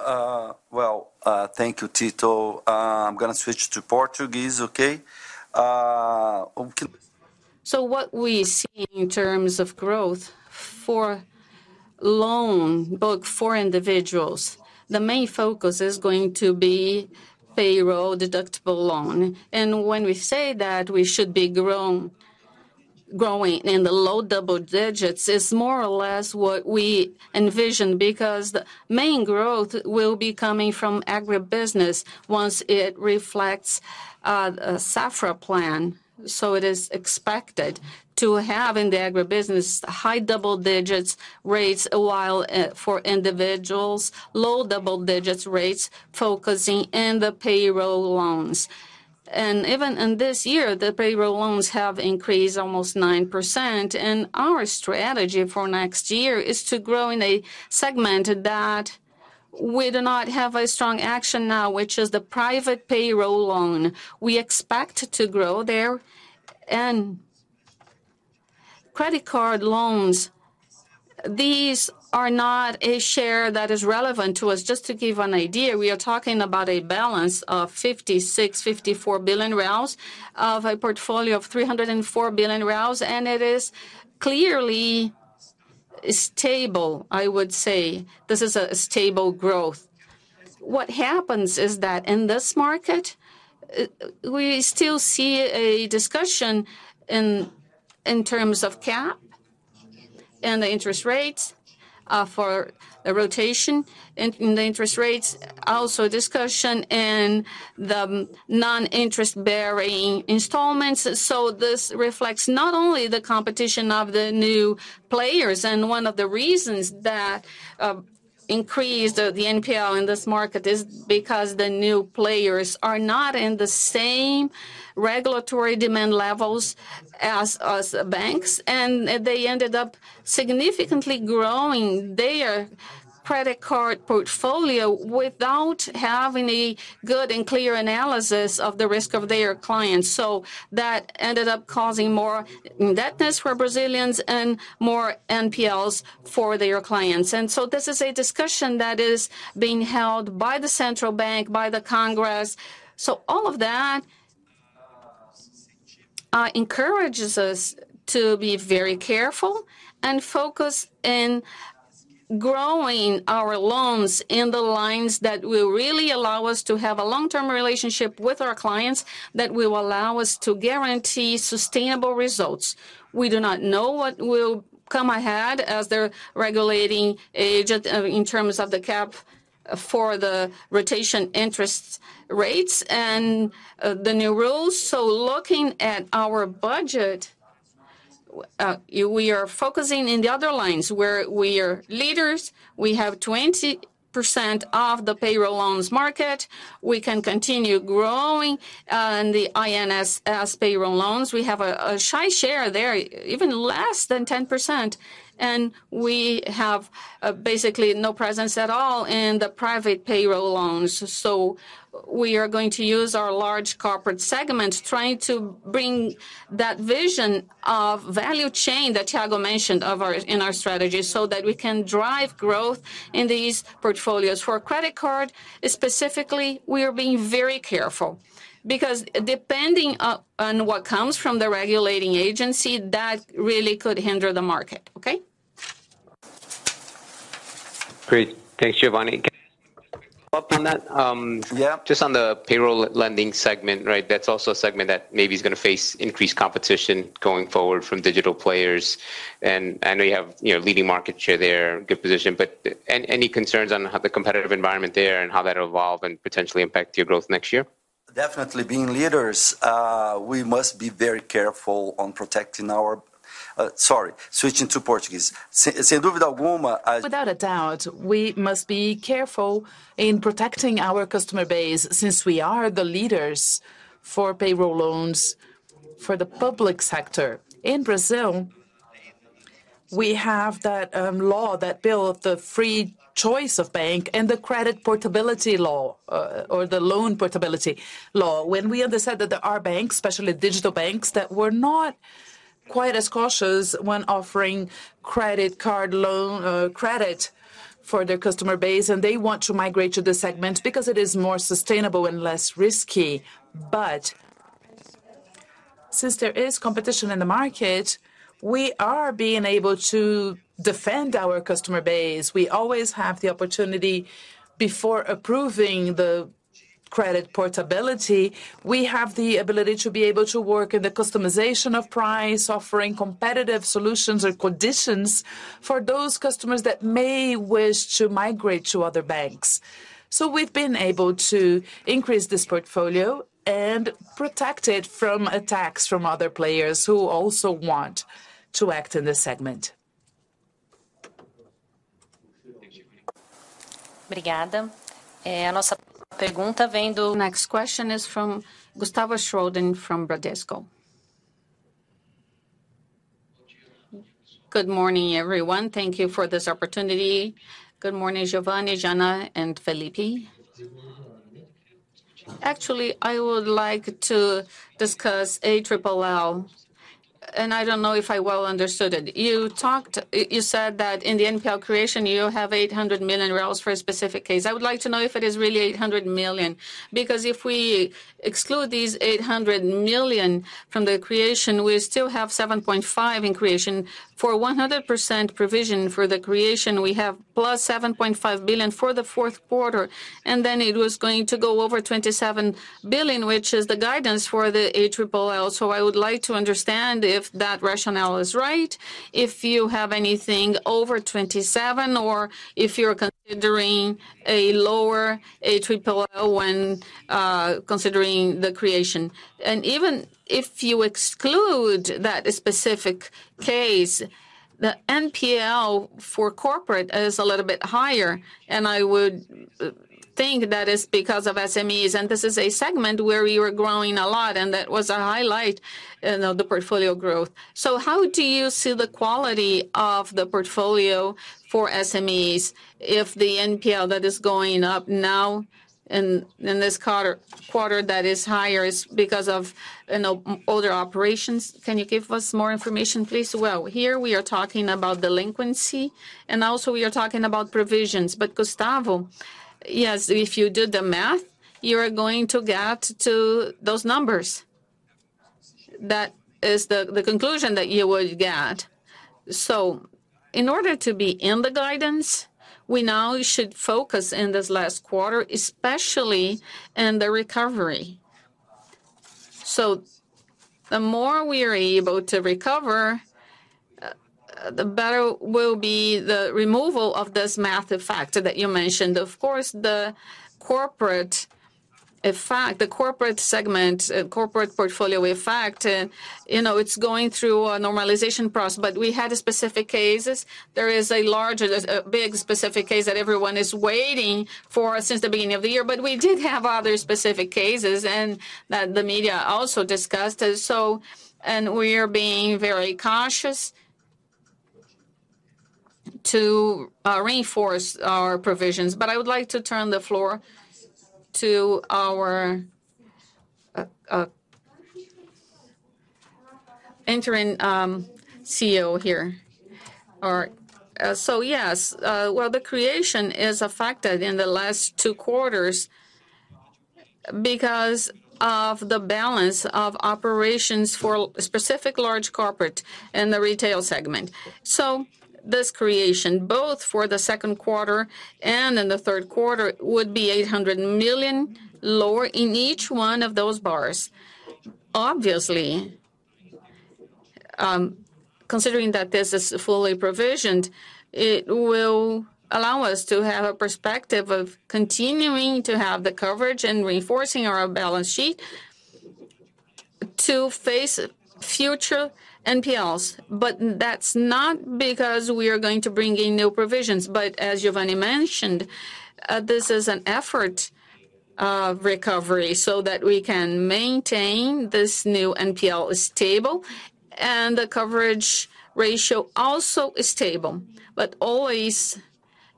Well, thank you, Tito. I'm gonna switch to Portuguese, okay? Okay. So what we see in terms of growth for loan, both for individuals, the main focus is going to be payroll deductible loan. And when we say that, we should be grown, growing in the low double digits, it's more or less what we envision, because the main growth will be coming from agribusiness once it reflects, a Safra Plan. So it is expected to have, in the agribusiness, high double digits rates, while, for individuals, low double digits rates, focusing in the payroll loans. And even in this year, the payroll loans have increased almost 9%, and our strategy for next year is to grow in a segment that we do not have a strong action now, which is the private payroll loan. We expect to grow there. Credit card loans, these are not a share that is relevant to us. Just to give an idea, we are talking about a balance of 54 billion BRL of a portfolio of 304 billion BRL, and it is clearly is stable, I would say. This is a stable growth. What happens is that in this market, we still see a discussion in, in terms of cap and the interest rates, for a rotation in, in the interest rates. Also, discussion in the non-interest-bearing installments. So this reflects not only the competition of the new players, and one of the reasons that increased the NPL in this market is because the new players are not in the same regulatory demand levels as us banks. And they ended up significantly growing their credit card portfolio without having a good and clear analysis of the risk of their clients. So that ended up causing more indebtedness for Brazilians and more NPLs for their clients. And so this is a discussion that is being held by the central bank, by the Congress. So all of that encourages us to be very careful and focused in growing our loans in the lines that will really allow us to have a long-term relationship with our clients, that will allow us to guarantee sustainable results. We do not know what will come ahead as the regulatory agent in terms of the cap for the rotative interest rates and the new rules. So looking at our budget, we are focusing in the other lines where we are leaders. We have 20% of the payroll loans market. We can continue growing in the INSS payroll loans. We have a small share there, even less than 10%, and we have basically no presence at all in the private payroll loans. So we are going to use our large corporate segments, trying to bring that vision of value chain that Thiago mentioned in our strategy, so that we can drive growth in these portfolios. For credit card, specifically, we are being very careful, because depending upon what comes from the regulatory agency, that really could hinder the market. Okay? Great. Thanks, Giovani. Up on that, Yeah. Just on the payroll lending segment, right? That's also a segment that maybe is gonna face increased competition going forward from digital players. I know you have, you know, leading market share there, good position, but any concerns on how the competitive environment there and how that'll evolve and potentially impact your growth next year? Definitely, being leaders, we must be very careful on protecting our... Sorry, switching to Portuguese. Without a doubt, we must be careful in protecting our customer base, since we are the leaders for payroll loans for the public sector. In Brazil, we have that law, that bill, the free choice of bank and the credit portability law, or the loan portability law. When we understood that there are banks, especially digital banks, that were not quite as cautious when offering credit card loan, credit for their customer base, and they want to migrate to the segment because it is more sustainable and less risky. But since there is competition in the market, we are being able to defend our customer base. We always have the opportunity before approving the credit portability. We have the ability to be able to work in the customization of price, offering competitive solutions or conditions for those customers that may wish to migrate to other banks. So we've been able to increase this portfolio and protect it from attacks from other players who also want to act in this segment. Thank you. The next question is from Gustavo Schroden, from Bradesco. Good morning, everyone. Thank you for this opportunity. Good morning, Giovani, Janaína, and Felipe. Actually, I would like to discuss ALLL. I don't know if I well understood it. You said that in the NPL creation, you have 800 million for a specific case. I would like to know if it is really 800 million, because if we exclude these 800 million from the creation, we still have 7.5 in creation. For 100% provision for the creation, we have plus 7.5 billion for the fourth quarter, and then it was going to go over 27 billion, which is the guidance for the ALLL. So I would like to understand if that rationale is right, if you have anything over 27, or if you're considering a lower ALLL when considering the creation. Even if you exclude that specific case, the NPL for corporate is a little bit higher, and I would think that is because of SMEs, and this is a segment where we were growing a lot, and that was a highlight in the portfolio growth. So how do you see the quality of the portfolio for SMEs if the NPL that is going up now in this quarter that is higher is because of, you know, other operations? Can you give us more information, please? Well, here we are talking about delinquency, and also, we are talking about provisions. But, Gustavo, yes, if you do the math, you are going to get to those numbers. That is the conclusion that you would get. So in order to be in the guidance, we now should focus in this last quarter, especially in the recovery. So the more we are able to recover, the better will be the removal of this massive factor that you mentioned. Of course, the corporate effect, the corporate segment, corporate portfolio effect, and, you know, it's going through a normalization process. But we had specific cases. There is a larger, big specific case that everyone is waiting for since the beginning of the year. But we did have other specific cases, and that the media also discussed. So... And we are being very cautious to reinforce our provisions. But I would like to turn the floor to our interim CEO here. Or, so, yes, well, the creation is affected in the last two quarters because of the balance of operations for specific large corporate in the retail segment. So this creation, both for the second quarter and in the Q3, would be 800 million lower in each one of those bars. Obviously, considering that this is fully provisioned, it will allow us to have a perspective of continuing to have the coverage and reinforcing our balance sheet to face future NPLs. But that's not because we are going to bring in new provisions, but as Geovanne mentioned, this is an effort, recovery, so that we can maintain this new NPL is stable, and the coverage ratio also is stable. But always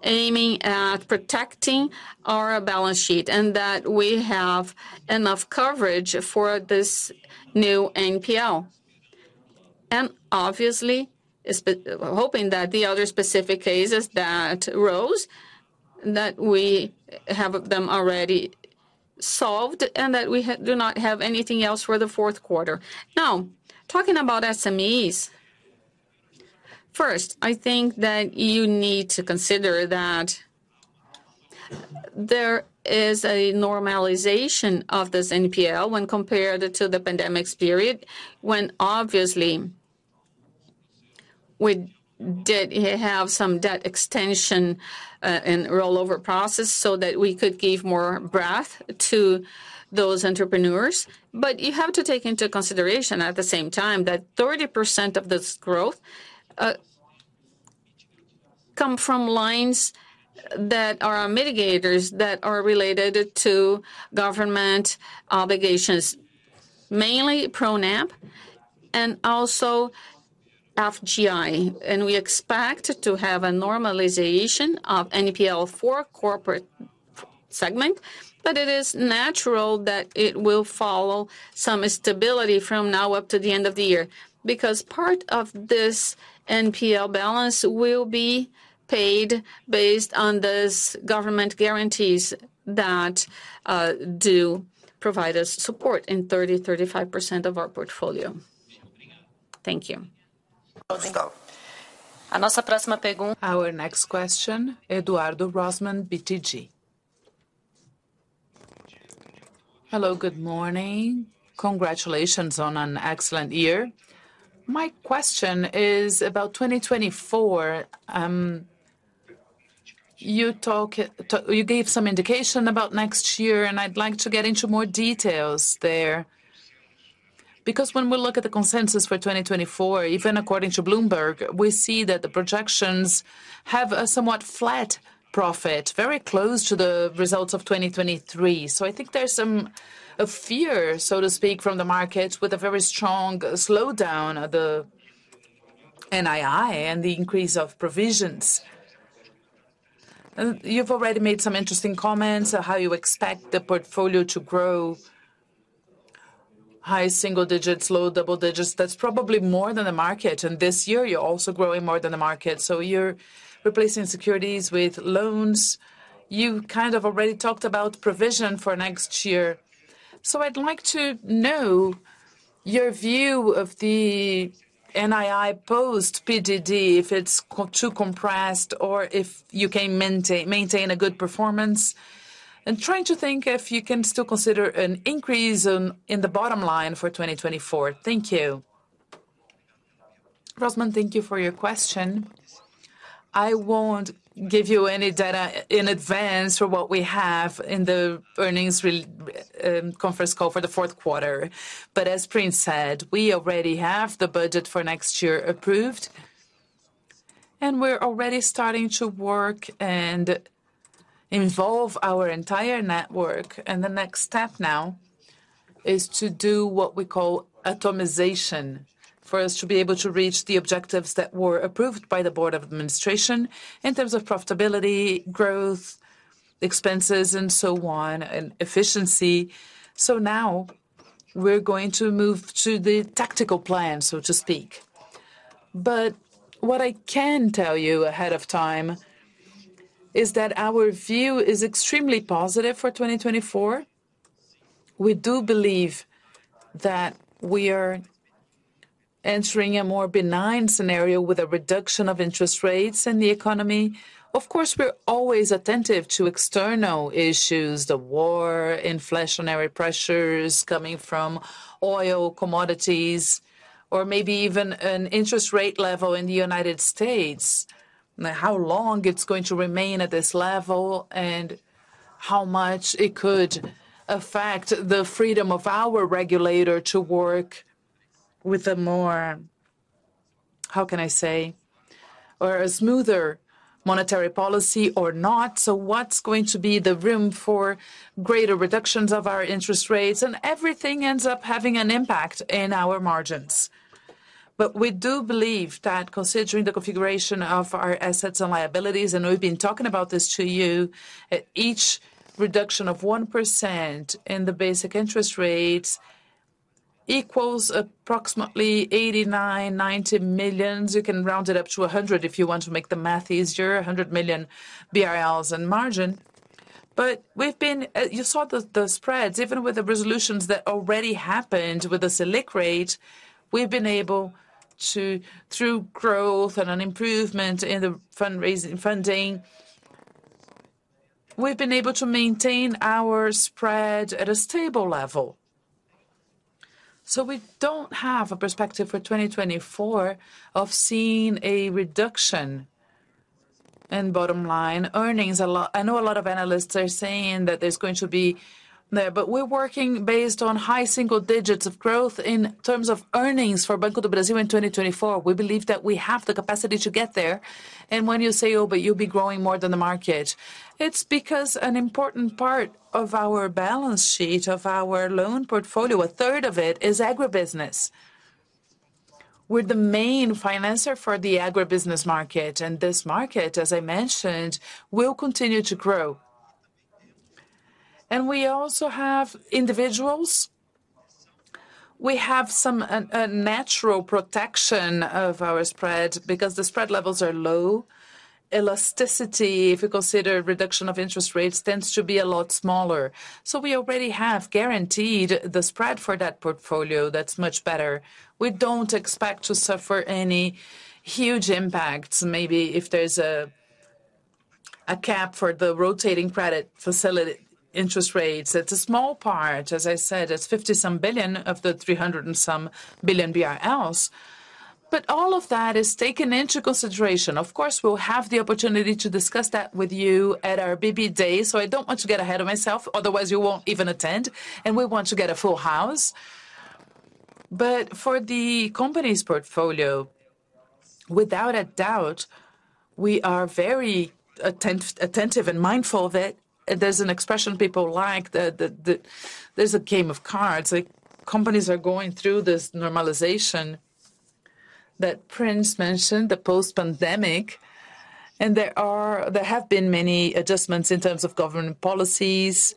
aiming at protecting our balance sheet, and that we have enough coverage for this new NPL. And obviously, hoping that the other specific cases that rose, that we have them already solved, and that we do not have anything else for the fourth quarter. Now, talking about SMEs. First, I think that you need to consider that there is a normalization of this NPL when compared to the pandemic period, when obviously we did have some debt extension and rollover process so that we could give more breath to those entrepreneurs. But you have to take into consideration, at the same time, that 30% of this growth come from lines that are mitigators, that are related to government obligations, mainly Pronampe and also FGI. And we expect to have a normalization of NPL for corporate segment, but it is natural that it will follow some stability from now up to the end of the year. Because part of this NPL balance will be paid based on these government guarantees that do provide us support in 30-35% of our portfolio. Thank you. Let's go. Our next question, Eduardo Rosman, BTG. Hello, good morning. Congratulations on an excellent year. My question is about 2024. You gave some indication about next year, and I'd like to get into more details there. Because when we look at the consensus for 2024, even according to Bloomberg, we see that the projections have a somewhat flat profit, very close to the results of 2023. So I think there's some fear, so to speak, from the markets, with a very strong slowdown of the NII and the increase of provisions. You've already made some interesting comments on how you expect the portfolio to grow, high single digits, low double digits. That's probably more than the market, and this year, you're also growing more than the market. So you're replacing securities with loans. You kind of already talked about provision for next year. So I'd like to know your view of the NII post PDD, if it's quite too compressed, or if you can maintain a good performance. And trying to think if you can still consider an increase in the bottom line for 2024. Thank you. Rosman, thank you for your question. I won't give you any data in advance for what we have in the earnings release conference call for the fourth quarter. But as Prince said, we already have the budget for next year approved, and we're already starting to work and involve our entire network. The next step now is to do what we call atomization, for us to be able to reach the objectives that were approved by the board of administration in terms of profitability, growth, expenses, and so on, and efficiency. Now we're going to move to the tactical plan, so to speak.… What I can tell you ahead of time is that our view is extremely positive for 2024. We do believe that we are entering a more benign scenario with a reduction of interest rates in the economy. Of course, we're always attentive to external issues, the war, inflationary pressures coming from oil, commodities, or maybe even an interest rate level in the United States, and how long it's going to remain at this level, and how much it could affect the freedom of our regulator to work with a more, how can I say, or a smoother monetary policy or not. So what's going to be the room for greater reductions of our interest rates? And everything ends up having an impact in our margins. But we do believe that considering the configuration of our assets and liabilities, and we've been talking about this to you, at each reduction of 1% in the basic interest rates, equals approximately 89-90 million BRL. You can round it up to a hundred if you want to make the math easier, 100 million BRL in margin. But we've been, you saw the, the spreads, even with the resolutions that already happened with the Selic rate, we've been able to, through growth and an improvement in the funding, we've been able to maintain our spread at a stable level. So we don't have a perspective for 2024 of seeing a reduction in bottom line earnings. A lot... I know a lot of analysts are saying that there's going to be there, but we're working based on high single digits of growth in terms of earnings for Banco do Brasil in 2024. We believe that we have the capacity to get there. And when you say: "Oh, but you'll be growing more than the market," it's because an important part of our balance sheet, of our loan portfolio, a third of it is agribusiness. We're the main financer for the agribusiness market, and this market, as I mentioned, will continue to grow. And we also have individuals. We have some, a natural protection of our spread, because the spread levels are low. Elasticity, if you consider reduction of interest rates, tends to be a lot smaller. So we already have guaranteed the spread for that portfolio. That's much better. We don't expect to suffer any huge impacts. Maybe if there's a cap for the rotating credit facility interest rates, it's a small part. As I said, it's 50-some billion of the 300-some billion BRL. But all of that is taken into consideration. Of course, we'll have the opportunity to discuss that with you at our BB Day, so I don't want to get ahead of myself, otherwise you won't even attend, and we want to get a full house. But for the company's portfolio, without a doubt, we are very attentive and mindful that there's an expression people like, the... There's a game of cards, like, companies are going through this normalization that Prince mentioned, the post-pandemic, and there have been many adjustments in terms of government policies,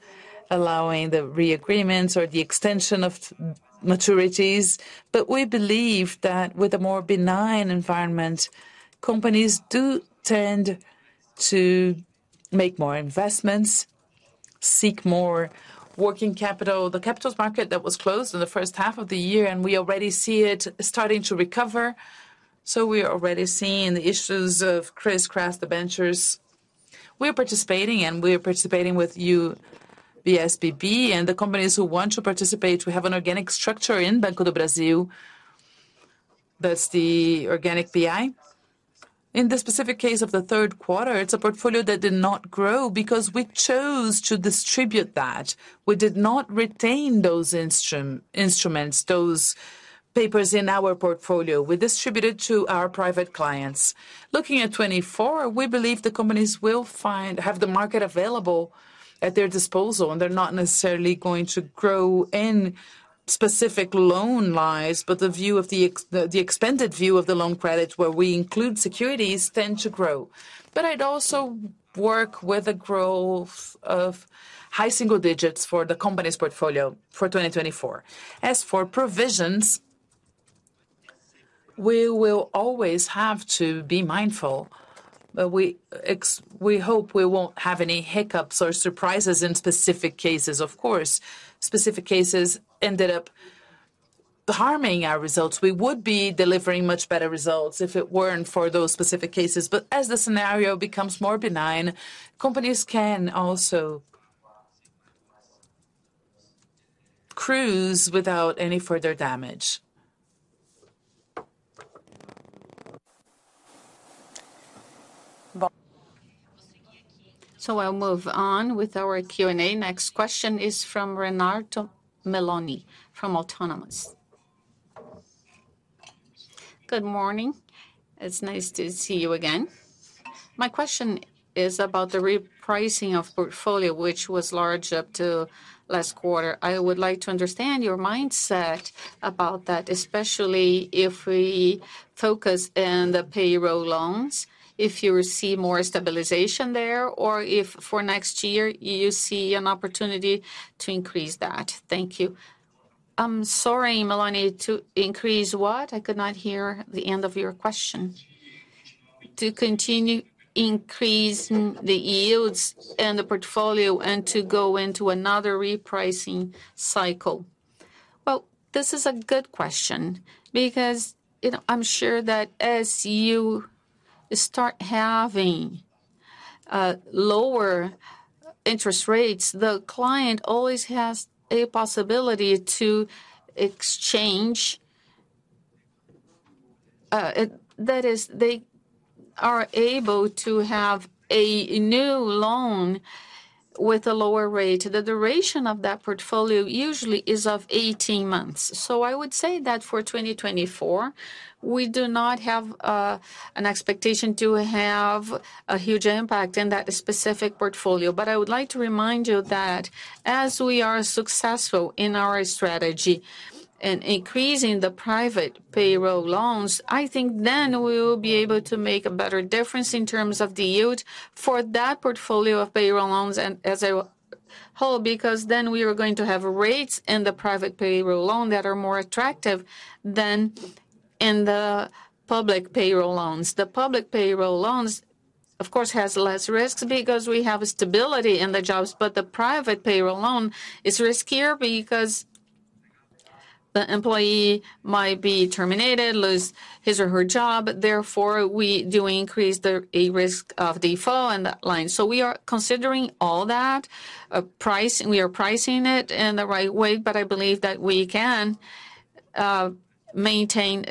allowing the re-agreements or the extension of maturities. But we believe that with a more benign environment, companies do tend to make more investments, seek more working capital. The capital markets that were closed in the first half of the year, and we already see it starting to recover. So we are already seeing the issues of CRIs, CRAs, debentures. We are participating, and we are participating with you, the UBS BB, and the companies who want to participate. We have an organic structure in Banco do Brasil. That's the organic IB. In this specific case of the Q3, it's a portfolio that did not grow because we chose to distribute that. We did not retain those instruments, those papers in our portfolio. We distributed to our private clients. Looking at 2024, we believe the companies will find... Have the market available at their disposal, and they're not necessarily going to grow in specific loan lines, but the view of the expanded view of the loan credit, where we include securities, tend to grow. But I'd also work with a growth of high single digits for the company's portfolio for 2024. As for provisions, we will always have to be mindful, but we hope we won't have any hiccups or surprises in specific cases, of course. Specific cases ended up harming our results. We would be delivering much better results if it weren't for those specific cases. But as the scenario becomes more benign, companies can also cruise without any further damage. I'll move on with our Q&A. Next question is from Renato Milani, from Autonomous. Good morning. It's nice to see you again. My question is about the repricing of portfolio, which was large up to last quarter. I would like to understand your mindset about that, especially if we focus in the payroll loans, if you receive more stabilization there, or if for next year, you see an opportunity to increase that. Thank you. I'm sorry, Milani, to increase what? I could not hear the end of your question.... to continue increase the yields in the portfolio and to go into another repricing cycle? Well, this is a good question, because, you know, I'm sure that as you start having lower interest rates, the client always has a possibility to exchange. That is, they are able to have a new loan with a lower rate. The duration of that portfolio usually is of 18 months. So I would say that for 2024, we do not have an expectation to have a huge impact in that specific portfolio. But I would like to remind you that as we are successful in our strategy in increasing the private payroll loans, I think then we will be able to make a better difference in terms of the yield for that portfolio of payroll loans and as a whole, because then we are going to have rates in the private payroll loan that are more attractive than in the public payroll loans. The public payroll loans, of course, has less risks because we have stability in the jobs, but the private payroll loan is riskier because the employee might be terminated, lose his or her job, therefore, we do increase a risk of default in that line. So we are considering all that, price, and we are pricing it in the right way, but I believe that we can maintain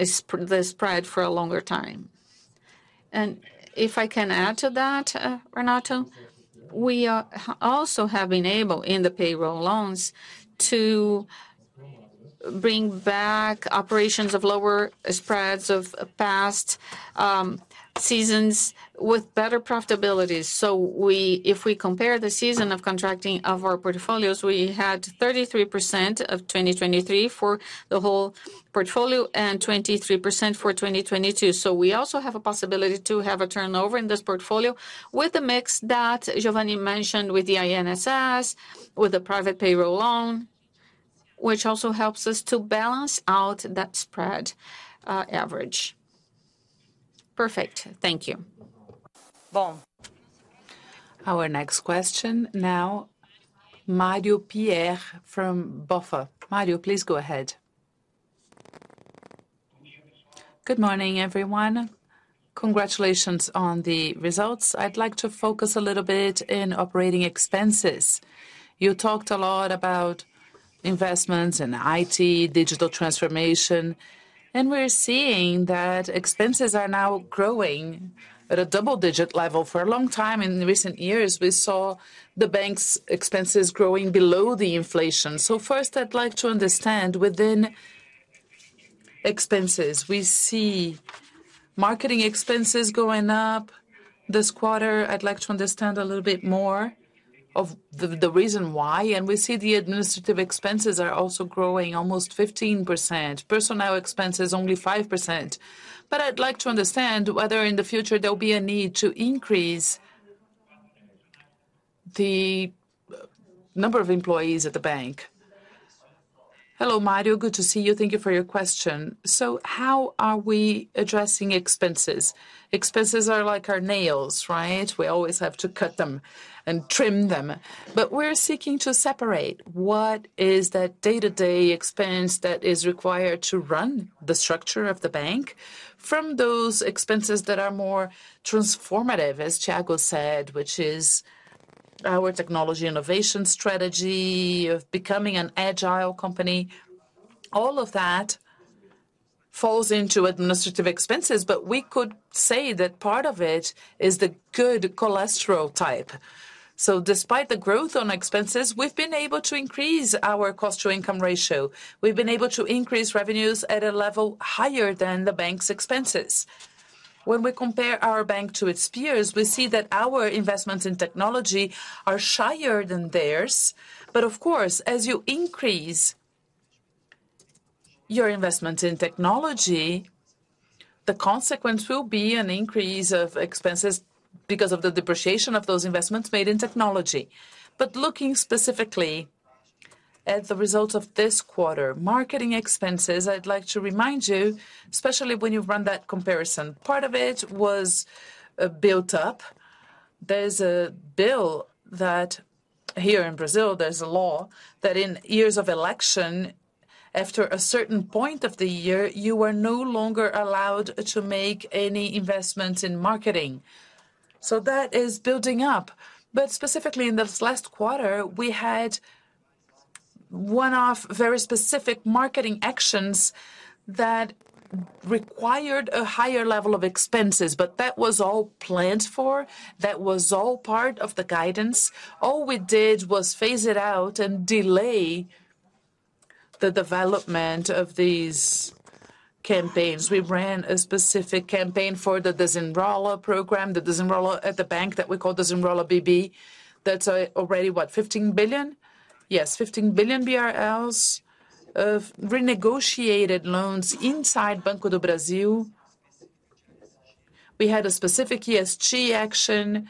the spread for a longer time. If I can add to that, Renato, we are also have been able, in the payroll loans, to bring back operations of lower spreads of past seasons with better profitabilities. So if we compare the season of contracting of our portfolios, we had 33% of 2023 for the whole portfolio and 23% for 2022. So we also have a possibility to have a turnover in this portfolio with the mix that Geovanne mentioned, with the INSS, with the private payroll loan, which also helps us to balance out that spread, average. Perfect. Thank you. Our next question now, Mario Pierry from BofA. Mario, please go ahead. Good morning, everyone. Congratulations on the results. I'd like to focus a little bit in operating expenses. You talked a lot about investments in IT, digital transformation, and we're seeing that expenses are now growing at a double-digit level. For a long time, in recent years, we saw the bank's expenses growing below the inflation. So first, I'd like to understand, within expenses, we see marketing expenses going up this quarter. I'd like to understand a little bit more of the reason why. And we see the administrative expenses are also growing almost 15%. Personnel expenses, only 5%. But I'd like to understand whether in the future there'll be a need to increase the number of employees at the bank. Hello, Mario. Good to see you. Thank you for your question. So how are we addressing expenses? Expenses are like our nails, right? We always have to cut them and trim them. But we're seeking to separate what is that day-to-day expense that is required to run the structure of the bank, from those expenses that are more transformative, as Thiago said, which is our technology innovation strategy of becoming an agile company. All of that falls into administrative expenses, but we could say that part of it is the good cholesterol type. So despite the growth on expenses, we've been able to increase our cost to income ratio. We've been able to increase revenues at a level higher than the bank's expenses. When we compare our bank to its peers, we see that our investments in technology are shier than theirs. But of course, as you increase your investment in technology, the consequence will be an increase of expenses because of the depreciation of those investments made in technology. But looking specifically at the results of this quarter, marketing expenses, I'd like to remind you, especially when you run that comparison, part of it was built up. There's a bill that... Here in Brazil, there's a law that in years of election, after a certain point of the year, you are no longer allowed to make any investments in marketing. So that is building up. But specifically in this last quarter, we had one-off, very specific marketing actions that required a higher level of expenses, but that was all planned for. That was all part of the guidance. All we did was phase it out and delay the development of these campaigns. We ran a specific campaign for the Desenrola program, the Desenrola at the bank, that we call Desenrola BB. That's already what? 15 billion? Yes, 15 billion BRL of renegotiated loans inside Banco do Brasil. We had a specific ESG action.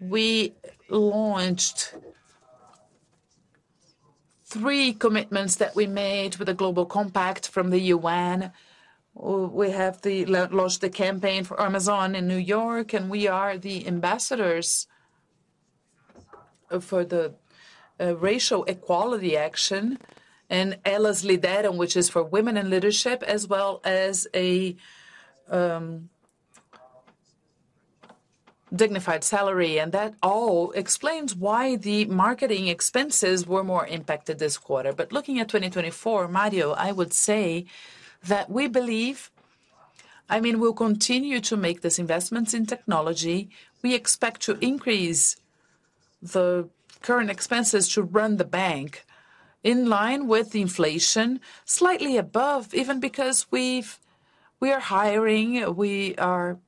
We launched three commitments that we made with the Global Compact from the UN. We have launched the campaign for Amazon in New York, and we are the ambassadors for the racial equality action, and Elas Lideram, which is for women in leadership, as well as a dignified salary. And that all explains why the marketing expenses were more impacted this quarter. But looking at 2024, Mario, I would say that we believe, I mean, we'll continue to make these investments in technology. We expect to increase the current expenses to run the bank in line with the inflation, slightly above, even because we've-- we are hiring. We are,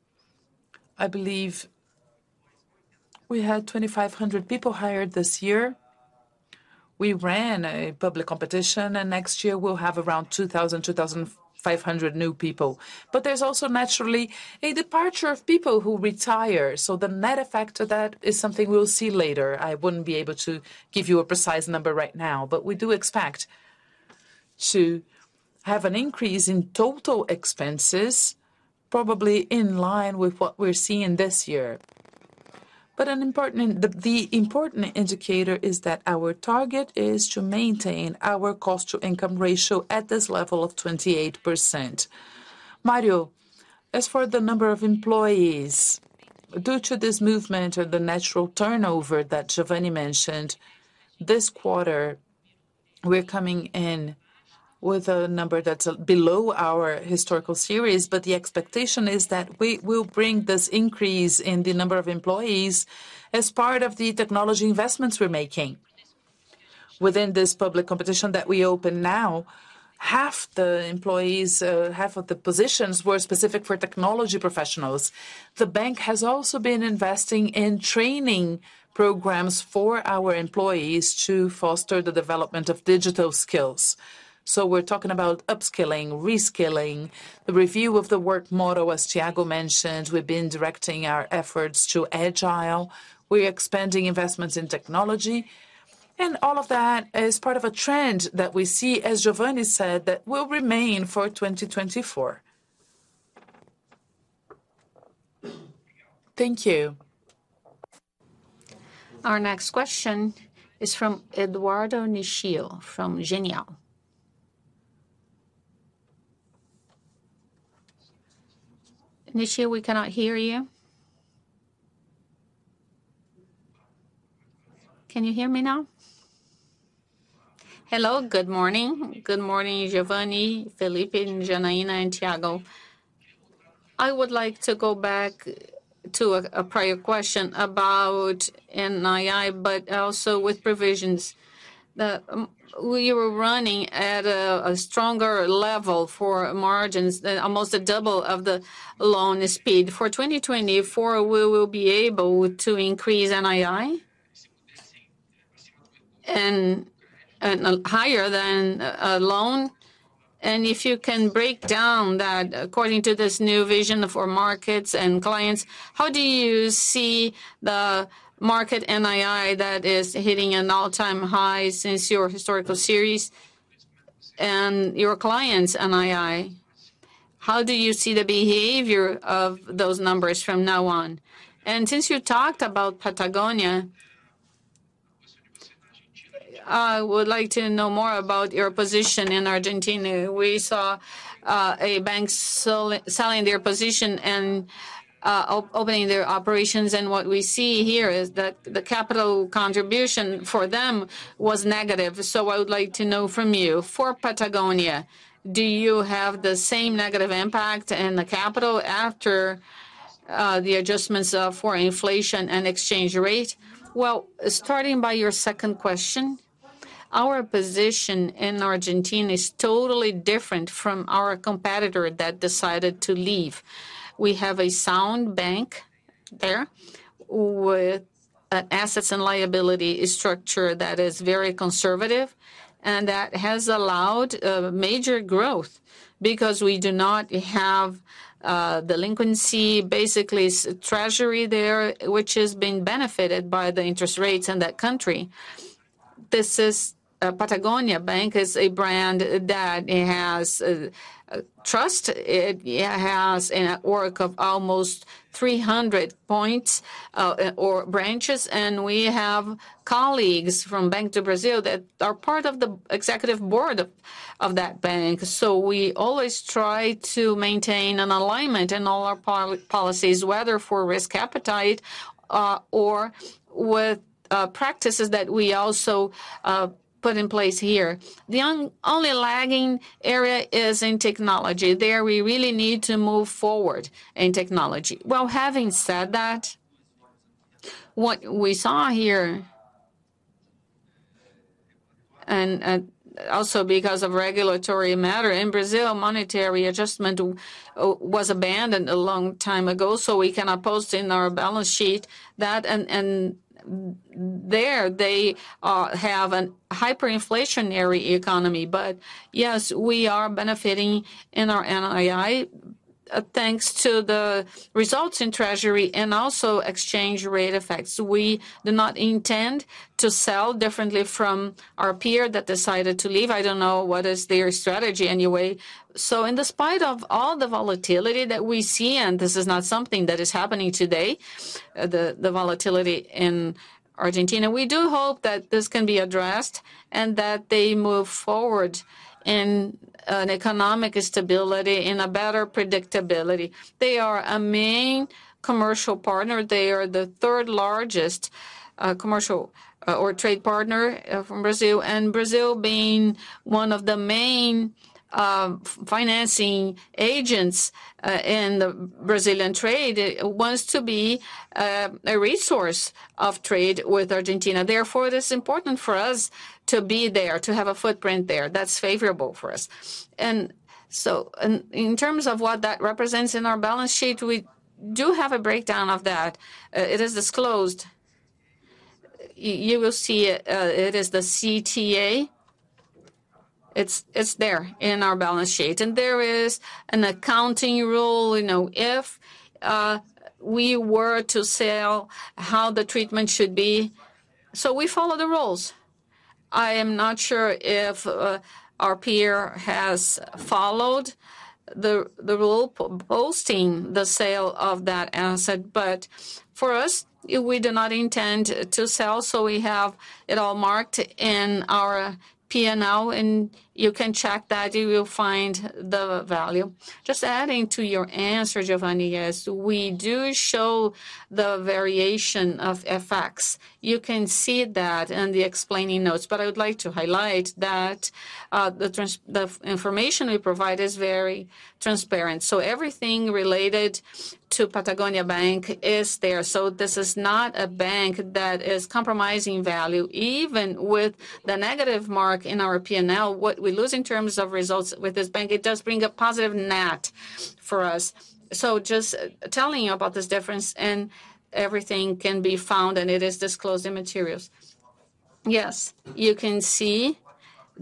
I believe, we had 2,500 people hired this year. We ran a public competition, and next year we'll have around 2,000, 2,500 new people. But there's also naturally a departure of people who retire, so the net effect of that is something we'll see later. I wouldn't be able to give you a precise number right now, but we do expect to have an increase in total expenses, probably in line with what we're seeing this year. But an important, the, the important indicator is that our target is to maintain our cost to income ratio at this level of 28%. Mario, as for the number of employees, due to this movement or the natural turnover that Geovanne mentioned, this quarter, we're coming in with a number that's below our historical series, but the expectation is that we will bring this increase in the number of employees as part of the technology investments we're making. Within this public competition that we open now, half the employees, half of the positions were specific for technology professionals. The bank has also been investing in training programs for our employees to foster the development of digital skills. So we're talking about upskilling, reskilling, the review of the work model, as Tiago mentioned, we've been directing our efforts to agile. We're expanding investments in technology, and all of that is part of a trend that we see, as Geovanne said, that will remain for 2024. Thank you. Our next question is from Eduardo Nishio, from Genial. Nishio, we cannot hear you. Can you hear me now? Hello, good morning. Good morning, Geovanne, Felipe, and Janaína, and Thiago. I would like to go back to a prior question about NII, but also with provisions. The, we were running at a stronger level for margins than almost a double of the loan speed. For 2024, we will be able to increase NII? And higher than loan. And if you can break down that, according to this new vision for markets and clients, how do you see the market NII that is hitting an all-time high since your historical series and your clients' NII? How do you see the behavior of those numbers from now on? And since you talked about Patagonia, I would like to know more about your position in Argentina. We saw a bank selling their position and opening their operations, and what we see here is that the capital contribution for them was negative. So I would like to know from you, for Patagonia, do you have the same negative impact in the capital after the adjustments for inflation and exchange rate? Well, starting by your second question, our position in Argentina is totally different from our competitor that decided to leave. We have a sound bank there with an assets and liability structure that is very conservative, and that has allowed major growth because we do not have delinquency, basically, treasury there, which has been benefited by the interest rates in that country. This is Patagonia Bank is a brand that it has trust. It has a network of almost 300 points or branches, and we have colleagues from Banco do Brasil that are part of the executive board of that bank. So we always try to maintain an alignment in all our policies, whether for risk appetite or with practices that we also put in place here. The only lagging area is in technology. There, we really need to move forward in technology. Well, having said that, what we saw here, and also because of regulatory matter, in Brazil, monetary adjustment was abandoned a long time ago, so we cannot post in our balance sheet that... And there, they have a hyperinflationary economy. But yes, we are benefiting in our NII. ... thanks to the results in treasury and also exchange rate effects. We do not intend to sell differently from our peer that decided to leave. I don't know what is their strategy anyway. So in despite of all the volatility that we see, and this is not something that is happening today, the volatility in Argentina, we do hope that this can be addressed, and that they move forward in an economic stability, in a better predictability. They are a main commercial partner. They are the third-largest, commercial, or trade partner, from Brazil. And Brazil being one of the main, financing agents, in the Brazilian trade, wants to be, a resource of trade with Argentina. Therefore, it is important for us to be there, to have a footprint there. That's favorable for us. In terms of what that represents in our balance sheet, we do have a breakdown of that. It is disclosed. You will see it, it is the CTA. It's there in our balance sheet. And there is an accounting rule, you know, if we were to sell, how the treatment should be. So we follow the rules. I am not sure if our peer has followed the rule boosting the sale of that asset, but for us, we do not intend to sell, so we have it all marked in our P&L, and you can check that, you will find the value. Just adding to your answer, Geovanne, yes, we do show the variation of FX. You can see that in the explaining notes, but I would like to highlight that, the information we provide is very transparent, so everything related to Patagonia Bank is there. So this is not a bank that is compromising value. Even with the negative mark in our P&L, what we lose in terms of results with this bank, it does bring a positive net for us. So just telling you about this difference, and everything can be found, and it is disclosed in materials. Yes, you can see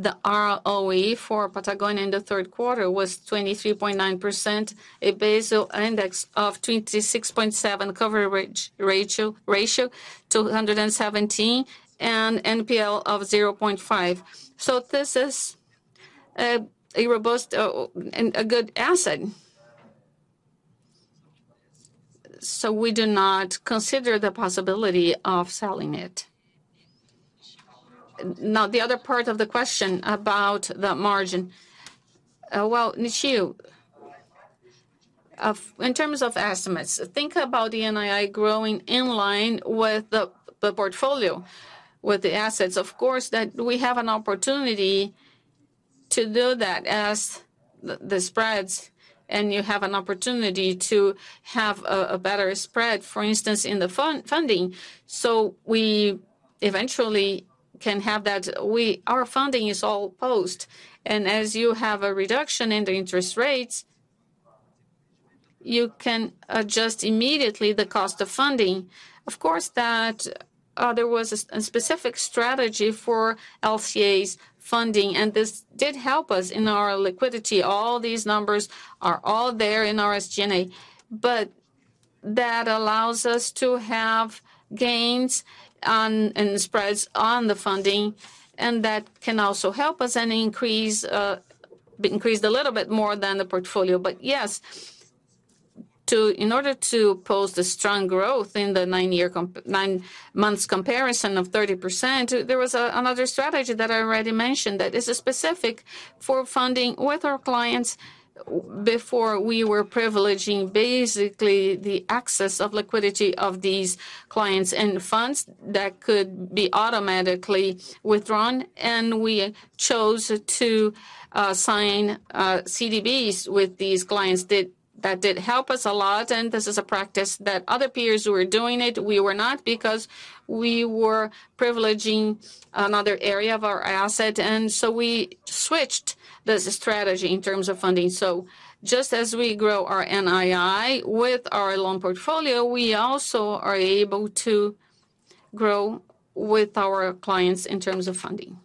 the ROE for Patagonia in the Q3 was 23.9%, a Basel index of 26.7, coverage ratio 217, and NPL of 0.5. So this is, a robust, and a good asset. So we do not consider the possibility of selling it. Now, the other part of the question about the margin. Well, Nishio, in terms of estimates, think about the NII growing in line with the portfolio, with the assets. Of course, that we have an opportunity to do that as the spreads, and you have an opportunity to have a better spread, for instance, in the funding. So we eventually can have that. Our funding is all post, and as you have a reduction in the interest rates, you can adjust immediately the cost of funding. Of course, there was a specific strategy for LCAs funding, and this did help us in our liquidity. All these numbers are all there in our SG&A, but that allows us to have gains on, and spreads on the funding, and that can also help us and increase, increased a little bit more than the portfolio. But yes, to, in order to pose the strong growth in the nine months comparison of 30%, there was a, another strategy that I already mentioned that is specific for funding with our clients. Before, we were privileging, basically, the access of liquidity of these clients, and the funds that could be automatically withdrawn, and we chose to, sign, CDBs with these clients. That, that did help us a lot, and this is a practice that other peers were doing it. We were not, because we were privileging another area of our asset, and so we switched the strategy in terms of funding. So just as we grow our NII with our loan portfolio, we also are able to grow with our clients in terms of funding.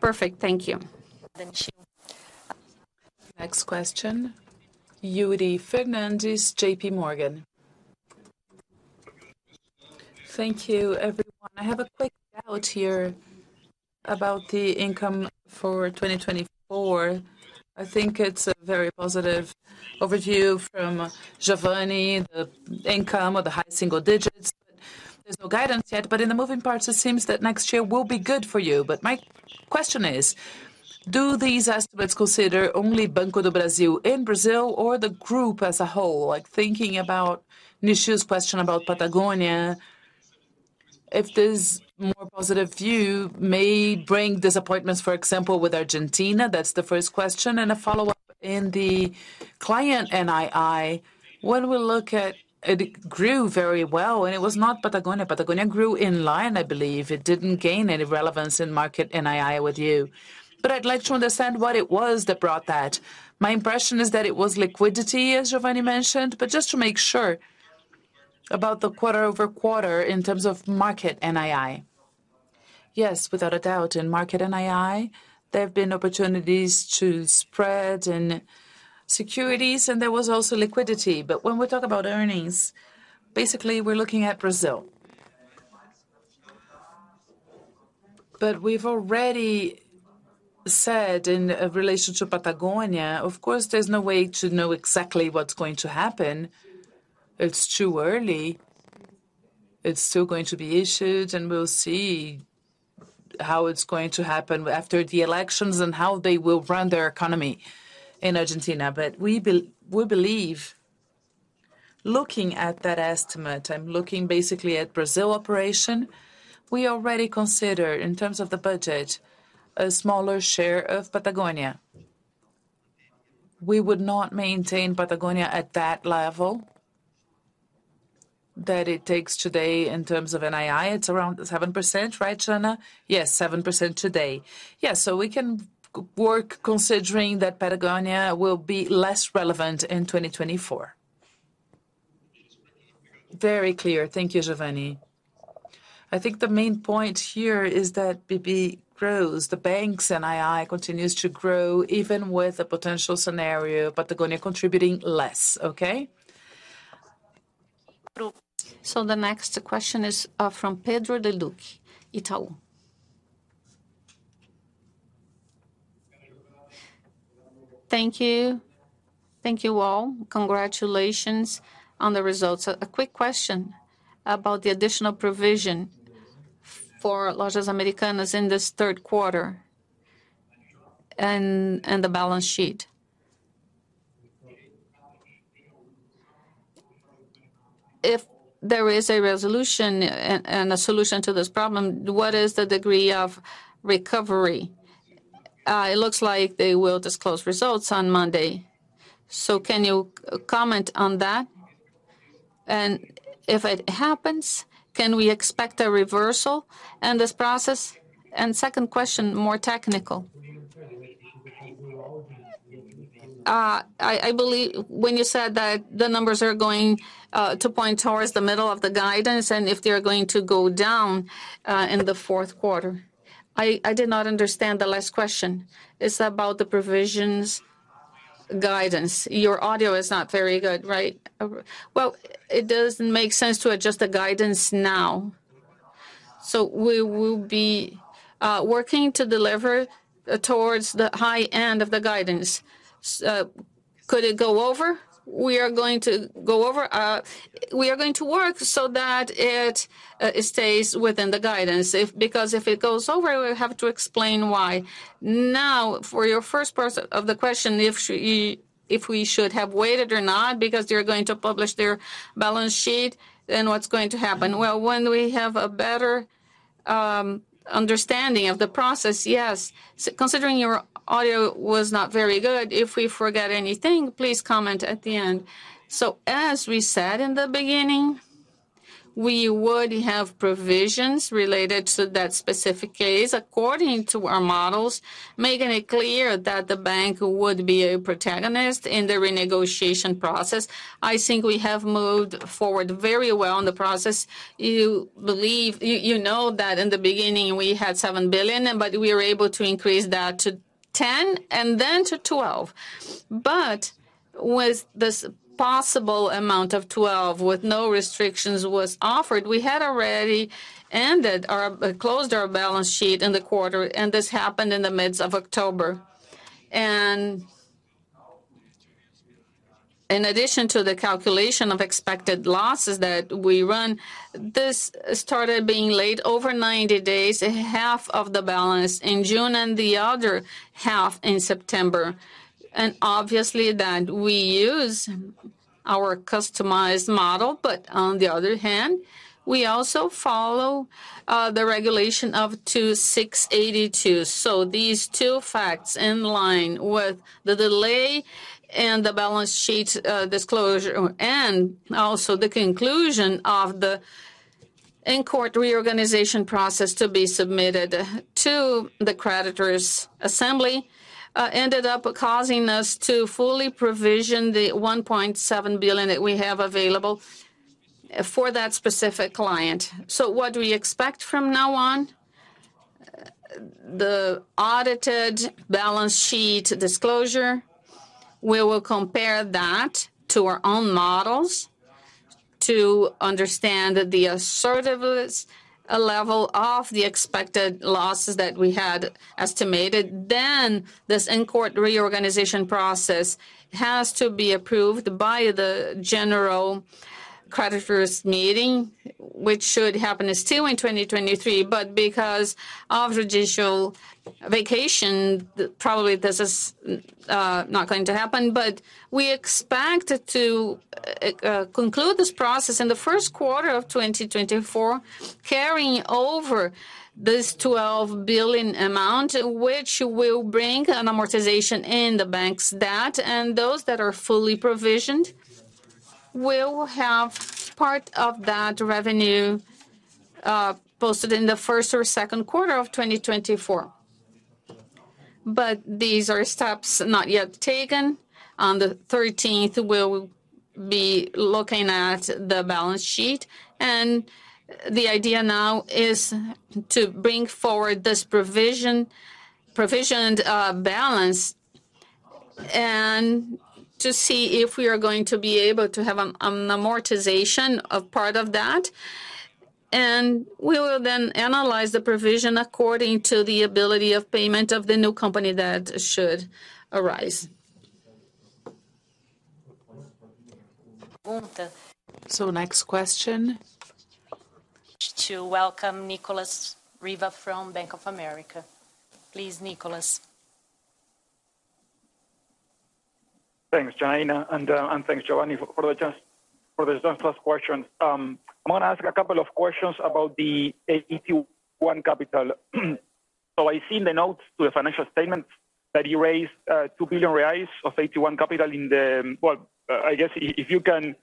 Perfect. Thank you. Thank you. Next question, Yuri Fernandez, JP Morgan. Thank you, everyone. I have a quick one here about the income for 2024. I think it's a very positive overview from Geovanne, the income of the high single digits. There's no guidance yet, but in the moving parts, it seems that next year will be good for you. But my question is: Do these estimates consider only Banco do Brasil in Brazil or the group as a whole? Like, thinking about Nishio's question about Patagonia, if this more positive view may bring disappointments, for example, with Argentina? That's the first question. And a follow-up, in the client NII, when we look at... It grew very well, and it was not Patagonia. Patagonia grew in line, I believe. It didn't gain any relevance in market NII with you. But I'd like to understand what it was that brought that. My impression is that it was liquidity, as Geovanne mentioned, but just to make sure.... about the quarter-over-quarter in terms of market NII? Yes, without a doubt, in market NII, there have been opportunities to spread in securities, and there was also liquidity. But when we talk about earnings, basically, we're looking at Brazil. But we've already said in relation to Patagonia, of course, there's no way to know exactly what's going to happen. It's too early. It's still going to be issued, and we'll see how it's going to happen after the elections and how they will run their economy in Argentina. But we believe, looking at that estimate, I'm looking basically at Brazil operation, we already consider, in terms of the budget, a smaller share of Patagonia. We would not maintain Patagonia at that level that it takes today in terms of NII. It's around 7%, right, Tiana? Yes, 7% today. Yes, so we can work considering that Patagonia will be less relevant in 2024. Very clear. Thank you, Geovanne. I think the main point here is that BB grows, the bank's NII continues to grow, even with a potential scenario, Patagonia contributing less. Okay? So the next question is from Pedro Leduc, Itaú. Thank you. Thank you, all. Congratulations on the results. A quick question about the additional provision for Lojas Americanas in this Q3 and the balance sheet. If there is a resolution and a solution to this problem, what is the degree of recovery? It looks like they will disclose results on Monday. So can you comment on that? And if it happens, can we expect a reversal in this process? And second question, more technical. I believe when you said that the numbers are going to point towards the middle of the guidance, and if they are going to go down in the fourth quarter. I did not understand the last question. It's about the provisions guidance. Your audio is not very good, right? Well, it doesn't make sense to adjust the guidance now. So we will be working to deliver towards the high end of the guidance. Could it go over? We are going to go over. We are going to work so that it stays within the guidance. If, because if it goes over, we have to explain why. Now, for your first part of the question, if we should have waited or not, because they're going to publish their balance sheet, then what's going to happen? Well, when we have a better understanding of the process, yes. Considering your audio was not very good, if we forget anything, please comment at the end. So as we said in the beginning, we would have provisions related to that specific case, according to our models, making it clear that the bank would be a protagonist in the renegotiation process. I think we have moved forward very well in the process. You believe-- you know that in the beginning, we had 7 billion, but we were able to increase that to 10 billion and then to 12 billion. But with this possible amount of 12 billion, with no restrictions, was offered, we had already ended or closed our balance sheet in the quarter, and this happened in the midst of October. In addition to the calculation of expected losses that we run, this started being laid over 90 days, half of the balance in June and the other half in September. And obviously, that we use our customized model, but on the other hand, we also follow the regulation of 2,682. So these two facts, in line with the delay and the balance sheet disclosure, and also the conclusion of the in-court reorganization process to be submitted to the creditors' assembly, ended up causing us to fully provision the 1.7 billion that we have available for that specific client. So what do we expect from now on? The audited balance sheet disclosure, we will compare that to our own models to understand the assertiveness level of the expected losses that we had estimated. Then, this in-court reorganization process has to be approved by the general creditors' meeting, which should happen still in 2023, but because of judicial vacation, probably this is not going to happen. But we expect to conclude this process in the first quarter of 2024, carrying over this 12 billion amount, which will bring an amortization in the bank's debt, and those that are fully provisioned will have part of that revenue posted in the first or second quarter of 2024.... These are steps not yet taken. On the 13th, we'll be looking at the balance sheet, and the idea now is to bring forward this provision, provision, balance, and to see if we are going to be able to have an amortization of part of that. We will then analyze the provision according to the ability of payment of the new company that should arise. Next question. To welcome Nicolas Riva from Bank of America. Please, Nicholas. Thanks, Janaína, and thanks, Geovanne, for the just last question. I'm gonna ask a couple of questions about the AT1 capital. So I see in the notes to the financial statements that you raised 2 billion reais of AT1 capital in the... Well, I guess if you can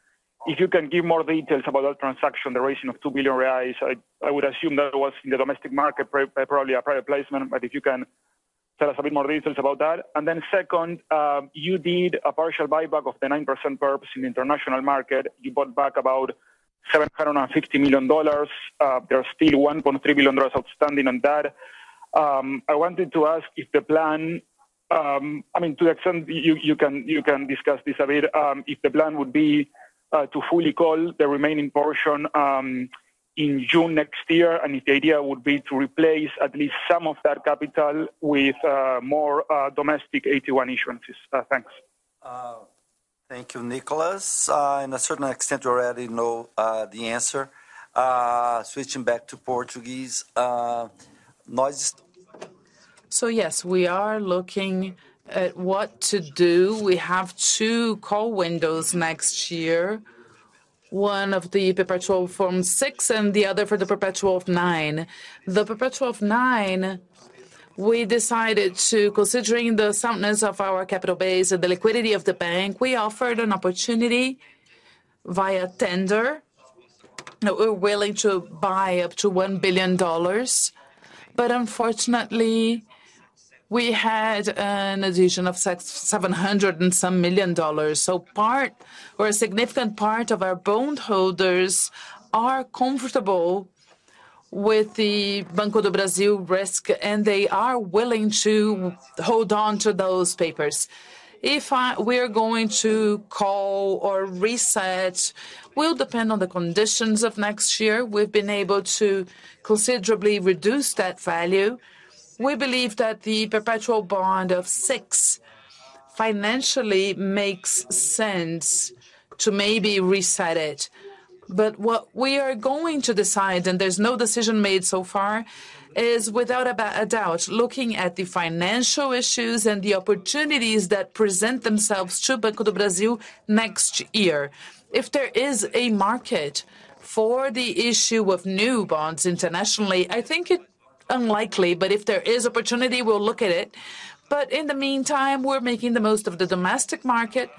give more details about that transaction, the raising of 2 billion reais, I would assume that was in the domestic market, probably a private placement. But if you can tell us a bit more details about that. And then second, you did a partial buyback of the 9% PERPs in the international market. You bought back about $760 million. There are still $1.3 billion outstanding on that. I wanted to ask if the plan, I mean, to the extent you can discuss this a bit, if the plan would be to fully call the remaining portion in June next year, and if the idea would be to replace at least some of that capital with more domestic AT1 issuances. Thanks. Thank you, Nicholas. In a certain extent, you already know the answer. Switching back to Portuguese, So yes, we are looking at what to do. We have two call windows next year, one of the perpetual from six and the other for the perpetual of nine. The perpetual of nine, we decided to, considering the soundness of our capital base and the liquidity of the bank, we offered an opportunity via tender, that we're willing to buy up to $1 billion. But unfortunately, we had an addition of seven hundred and some million dollars. So part or a significant part of our bond holders are comfortable with the Banco do Brasil risk, and they are willing to hold on to those papers. We're going to call or reset, will depend on the conditions of next year. We've been able to considerably reduce that value. We believe that the perpetual bond of six financially makes sense to maybe reset it. But what we are going to decide, and there's no decision made so far, is without a doubt, looking at the financial issues and the opportunities that present themselves to Banco do Brasil next year. If there is a market for the issue of new bonds internationally, I think it unlikely, but if there is opportunity, we'll look at it. But in the meantime, we're making the most of the domestic market.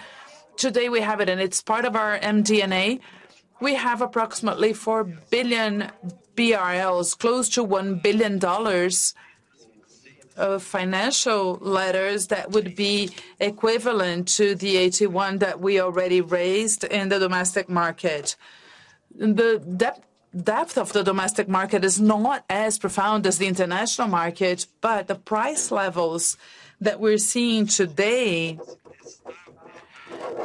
Today, we have it, and it's part of our MD&A. We have approximately 4 billion BRL, close to $1 billion of financial letters that would be equivalent to the AT1 that we already raised in the domestic market. The depth of the domestic market is not as profound as the international market, but the price levels that we're seeing today,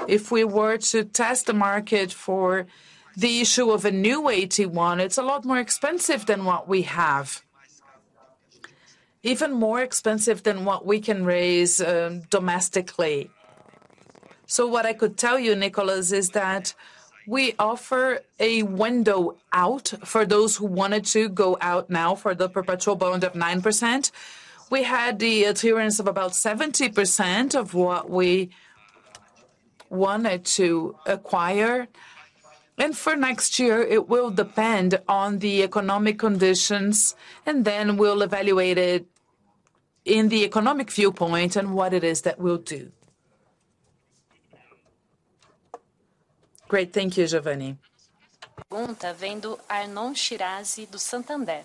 if we were to test the market for the issue of a new AT1, it's a lot more expensive than what we have. Even more expensive than what we can raise domestically. So what I could tell you, Nicholas, is that we offer a window out for those who wanted to go out now for the perpetual bond of 9%. We had the adherence of about 70% of what we wanted to acquire, and for next year, it will depend on the economic conditions, and then we'll evaluate it in the economic viewpoint and what it is that we'll do. Great. Thank you, Geovanne.... Arnon Shirazi do Santander.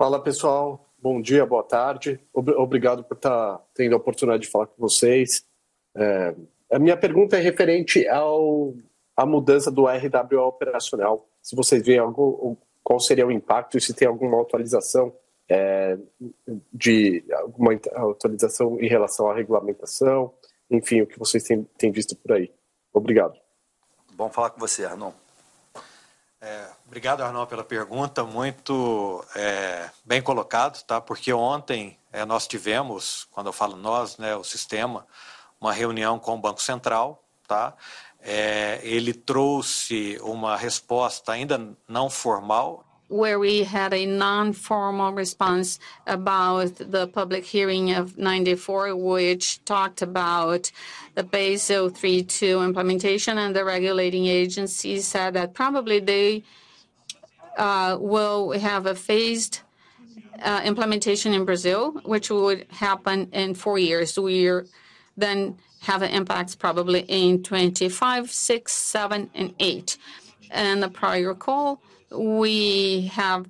Hola, pessoal. Bom dia, boa tarde. Obrigado por tá tendo a oportunidade de falar com vocês. A minha pergunta é referente à mudança do RWA operacional. Se vocês veem algo, qual seria o impacto e se tem alguma atualização em relação à regulamentação, enfim, o que vocês têm visto por aí? Obrigado. Bom falar com você, Arnon. Obrigado, Arnon, pela pergunta. Muito bem colocado, tá? Porque ontem nós tivemos, quando eu falo nós, né, o sistema, uma reunião com o Banco Central, tá? Ele trouxe uma resposta ainda não formal. Where we had a non-formal response about the public hearing of 94, which talked about the Basel III implementation, and the regulating agency said that probably they will have a phased-... implementation in Brazil, which would happen in four years. We'll then have an impact probably in 2025, 2026, 2027, and 2028. And the prior call, we have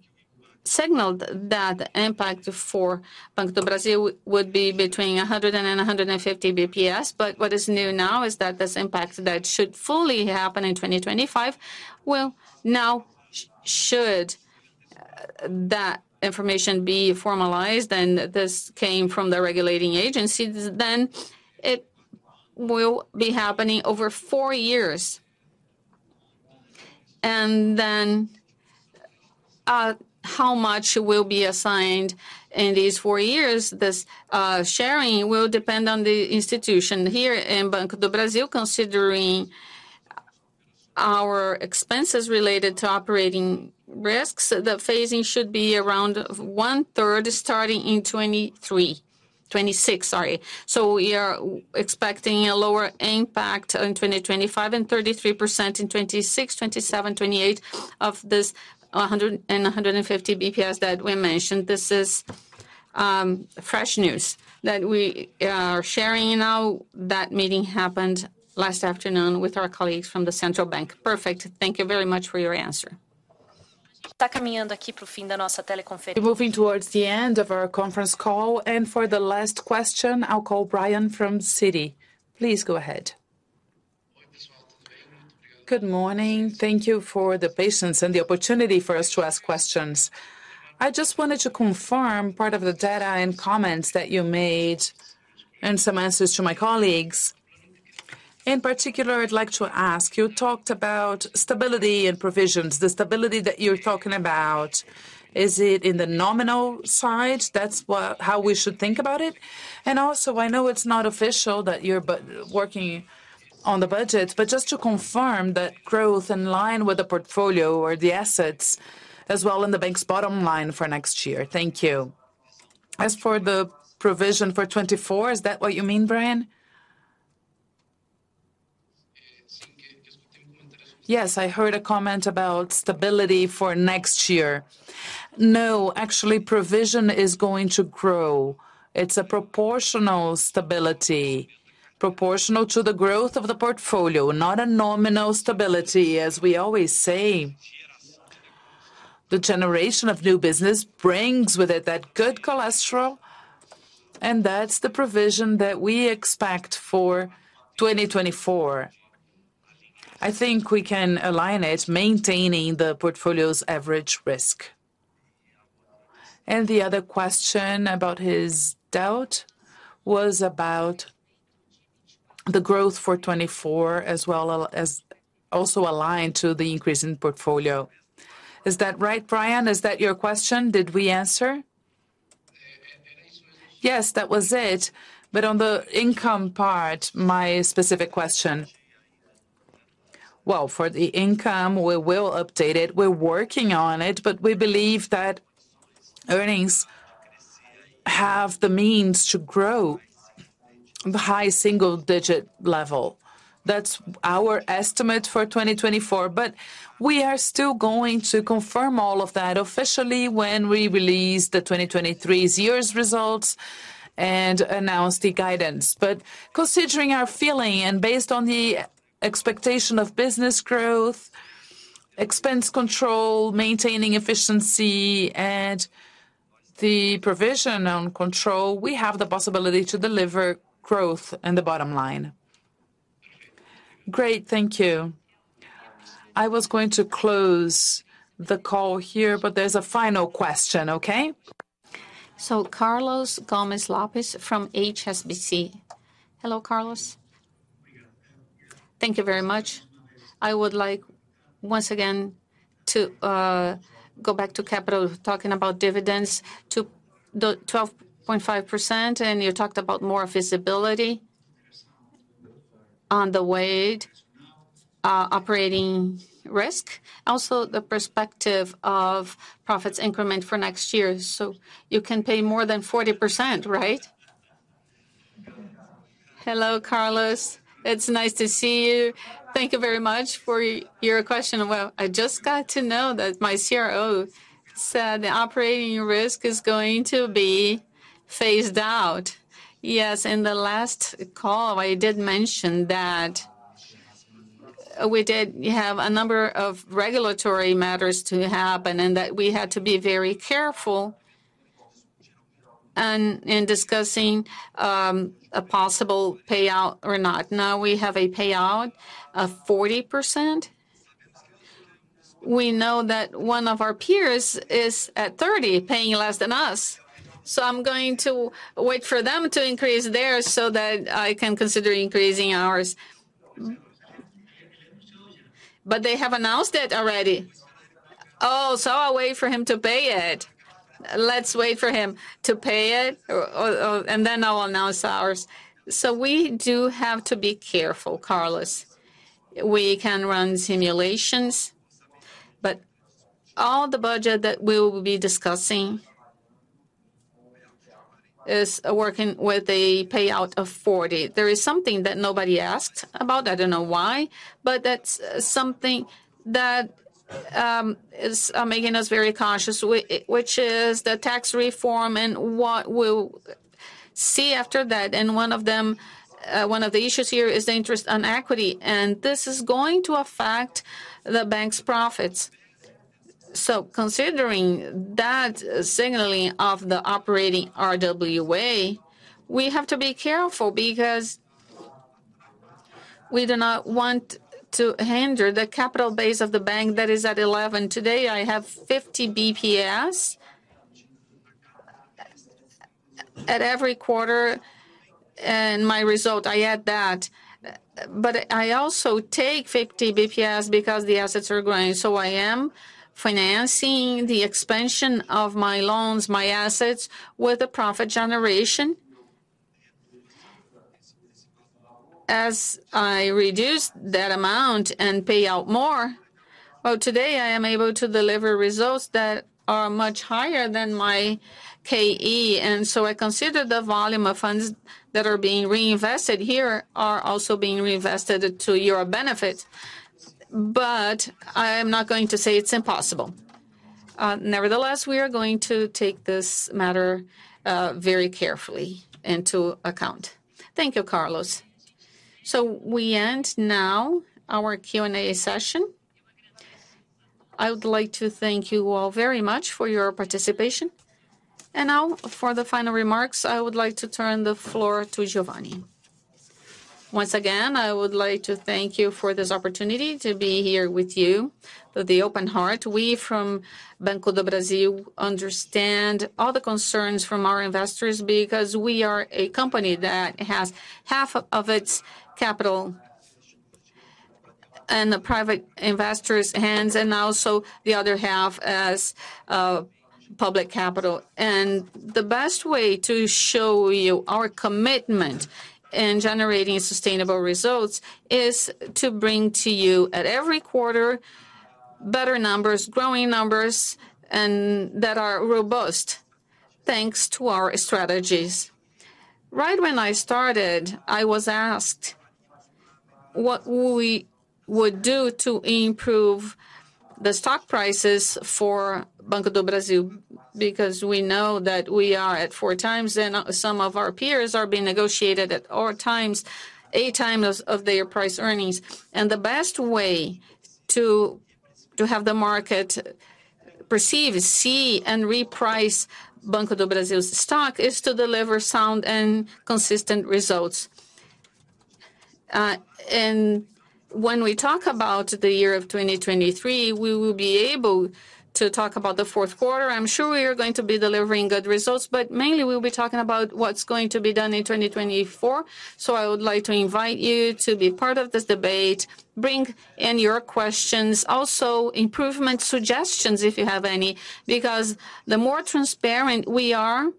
signaled that the impact for Banco do Brasil would be between 100 and 150 basis points. But what is new now is that this impact that should fully happen in 2025, well, now, should that information be formalized, and this came from the regulatory agencies, then it will be happening over four years. And then, how much will be assigned in these four years, this sharing will depend on the institution. Here in Banco do Brasil, considering our expenses related to operating risks, the phasing should be around one third, starting in 2023, 2026, sorry. So we are expecting a lower impact in 2025, and 33% in 2026, 2027, 2028 of this 100 and 150 basis points that we mentioned. This is fresh news that we are sharing now. That meeting happened last afternoon with our colleagues from the central bank. Perfect. Thank you very much for your answer. We're moving towards the end of our conference call, and for the last question, I'll call Brian from Citi. Please go ahead. Good morning. Thank you for the patience and the opportunity for us to ask questions. I just wanted to confirm part of the data and comments that you made, and some answers to my colleagues. In particular, I'd like to ask, you talked about stability and provisions. The stability that you're talking about, is it in the nominal side? How we should think about it? And also, I know it's not official, that you're working on the budget, but just to confirm that growth in line with the portfolio or the assets, as well in the bank's bottom line for next year. Thank you. As for the provision for 2024, is that what you mean, Brian? Yes, I heard a comment about stability for next year. No, actually, provision is going to grow. It's a proportional stability, proportional to the growth of the portfolio, not a nominal stability. As we always say, the generation of new business brings with it that good cholesterol, and that's the provision that we expect for 2024. I think we can align it, maintaining the portfolio's average risk. And the other question about his doubt was about the growth for 2024, as well as, also aligned to the increase in portfolio. Is that right, Brian? Is that your question? Did we answer? Yes, that was it. But on the income part, my specific question. Well, for the income, we will update it. We're working on it, but we believe that earnings have the means to grow the high single-digit level. That's our estimate for 2024. But we are still going to confirm all of that officially when we release the 2023's year's results and announce the guidance. But considering our feeling, and based on the expectation of business growth, expense control, maintaining efficiency, and the provision on control, we have the possibility to deliver growth in the bottom line. Great, thank you. I was going to close the call here, but there's a final question, okay? Carlos Gomez-Lopez from HSBC. Hello, Carlos. Thank you very much. I would like, once again, to go back to capital, talking about dividends, to the 12.5%, and you talked about more visibility on the weighted operating risk. Also, the perspective of profits increment for next year, so you can pay more than 40%, right? Hello, Carlos. It's nice to see you. Thank you very much for your question. Well, I just got to know that my CRO said the operating risk is going to be phased out. Yes, in the last call, I did mention that we did have a number of regulatory matters to happen, and that we had to be very careful in discussing a possible payout or not. Now, we have a payout of 40%. We know that one of our peers is at 30, paying less than us, so I'm going to wait for them to increase theirs so that I can consider increasing ours. But they have announced it already. Oh, so I'll wait for him to pay it. Let's wait for him to pay it, or and then I'll announce ours. So we do have to be careful, Carlos. We can run simulations, but all the budget that we will be discussing is working with a payout of 40. There is something that nobody asked about, I don't know why, but that's something that is making us very cautious, which is the tax reform and what we'll see after that. And one of them, one of the issues here is the interest on equity, and this is going to affect the bank's profits. So considering that signaling of the operating RWA, we have to be careful because we do not want to hinder the capital base of the bank that is at 11. Today, I have 50 BPS. At every quarter, in my result, I add that. But I also take 50 BPS because the assets are growing, so I am financing the expansion of my loans, my assets, with the profit generation. As I reduce that amount and pay out more, well, today I am able to deliver results that are much higher than my KE, and so I consider the volume of funds that are being reinvested here are also being reinvested to your benefit. But I am not going to say it's impossible. Nevertheless, we are going to take this matter very carefully into account. Thank you, Carlos. So we end now our Q&A session. I would like to thank you all very much for your participation. And now, for the final remarks, I would like to turn the floor to Geovanne. Once again, I would like to thank you for this opportunity to be here with you, with the open heart. We, from Banco do Brasil, understand all the concerns from our investors, because we are a company that has half of its capital in the private investors' hands, and also the other half as public capital. And the best way to show you our commitment in generating sustainable results is to bring to you, at every quarter, better numbers, growing numbers, and that are robust, thanks to our strategies. Right when I started, I was asked what we would do to improve the stock prices for Banco do Brasil, because we know that we are at four times, and some of our peers are being negotiated at all times, eight times of, of their price earnings. The best way to have the market perceive, see, and reprice Banco do Brasil's stock is to deliver sound and consistent results. When we talk about the year of 2023, we will be able to talk about the fourth quarter. I'm sure we are going to be delivering good results, but mainly we'll be talking about what's going to be done in 2024. So I would like to invite you to be part of this debate, bring in your questions, also improvement suggestions, if you have any, because the more transparent we are,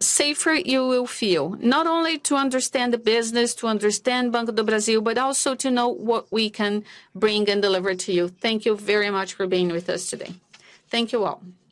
safer you will feel. Not only to understand the business, to understand Banco do Brasil, but also to know what we can bring and deliver to you. Thank you very much for being with us today. Thank you all.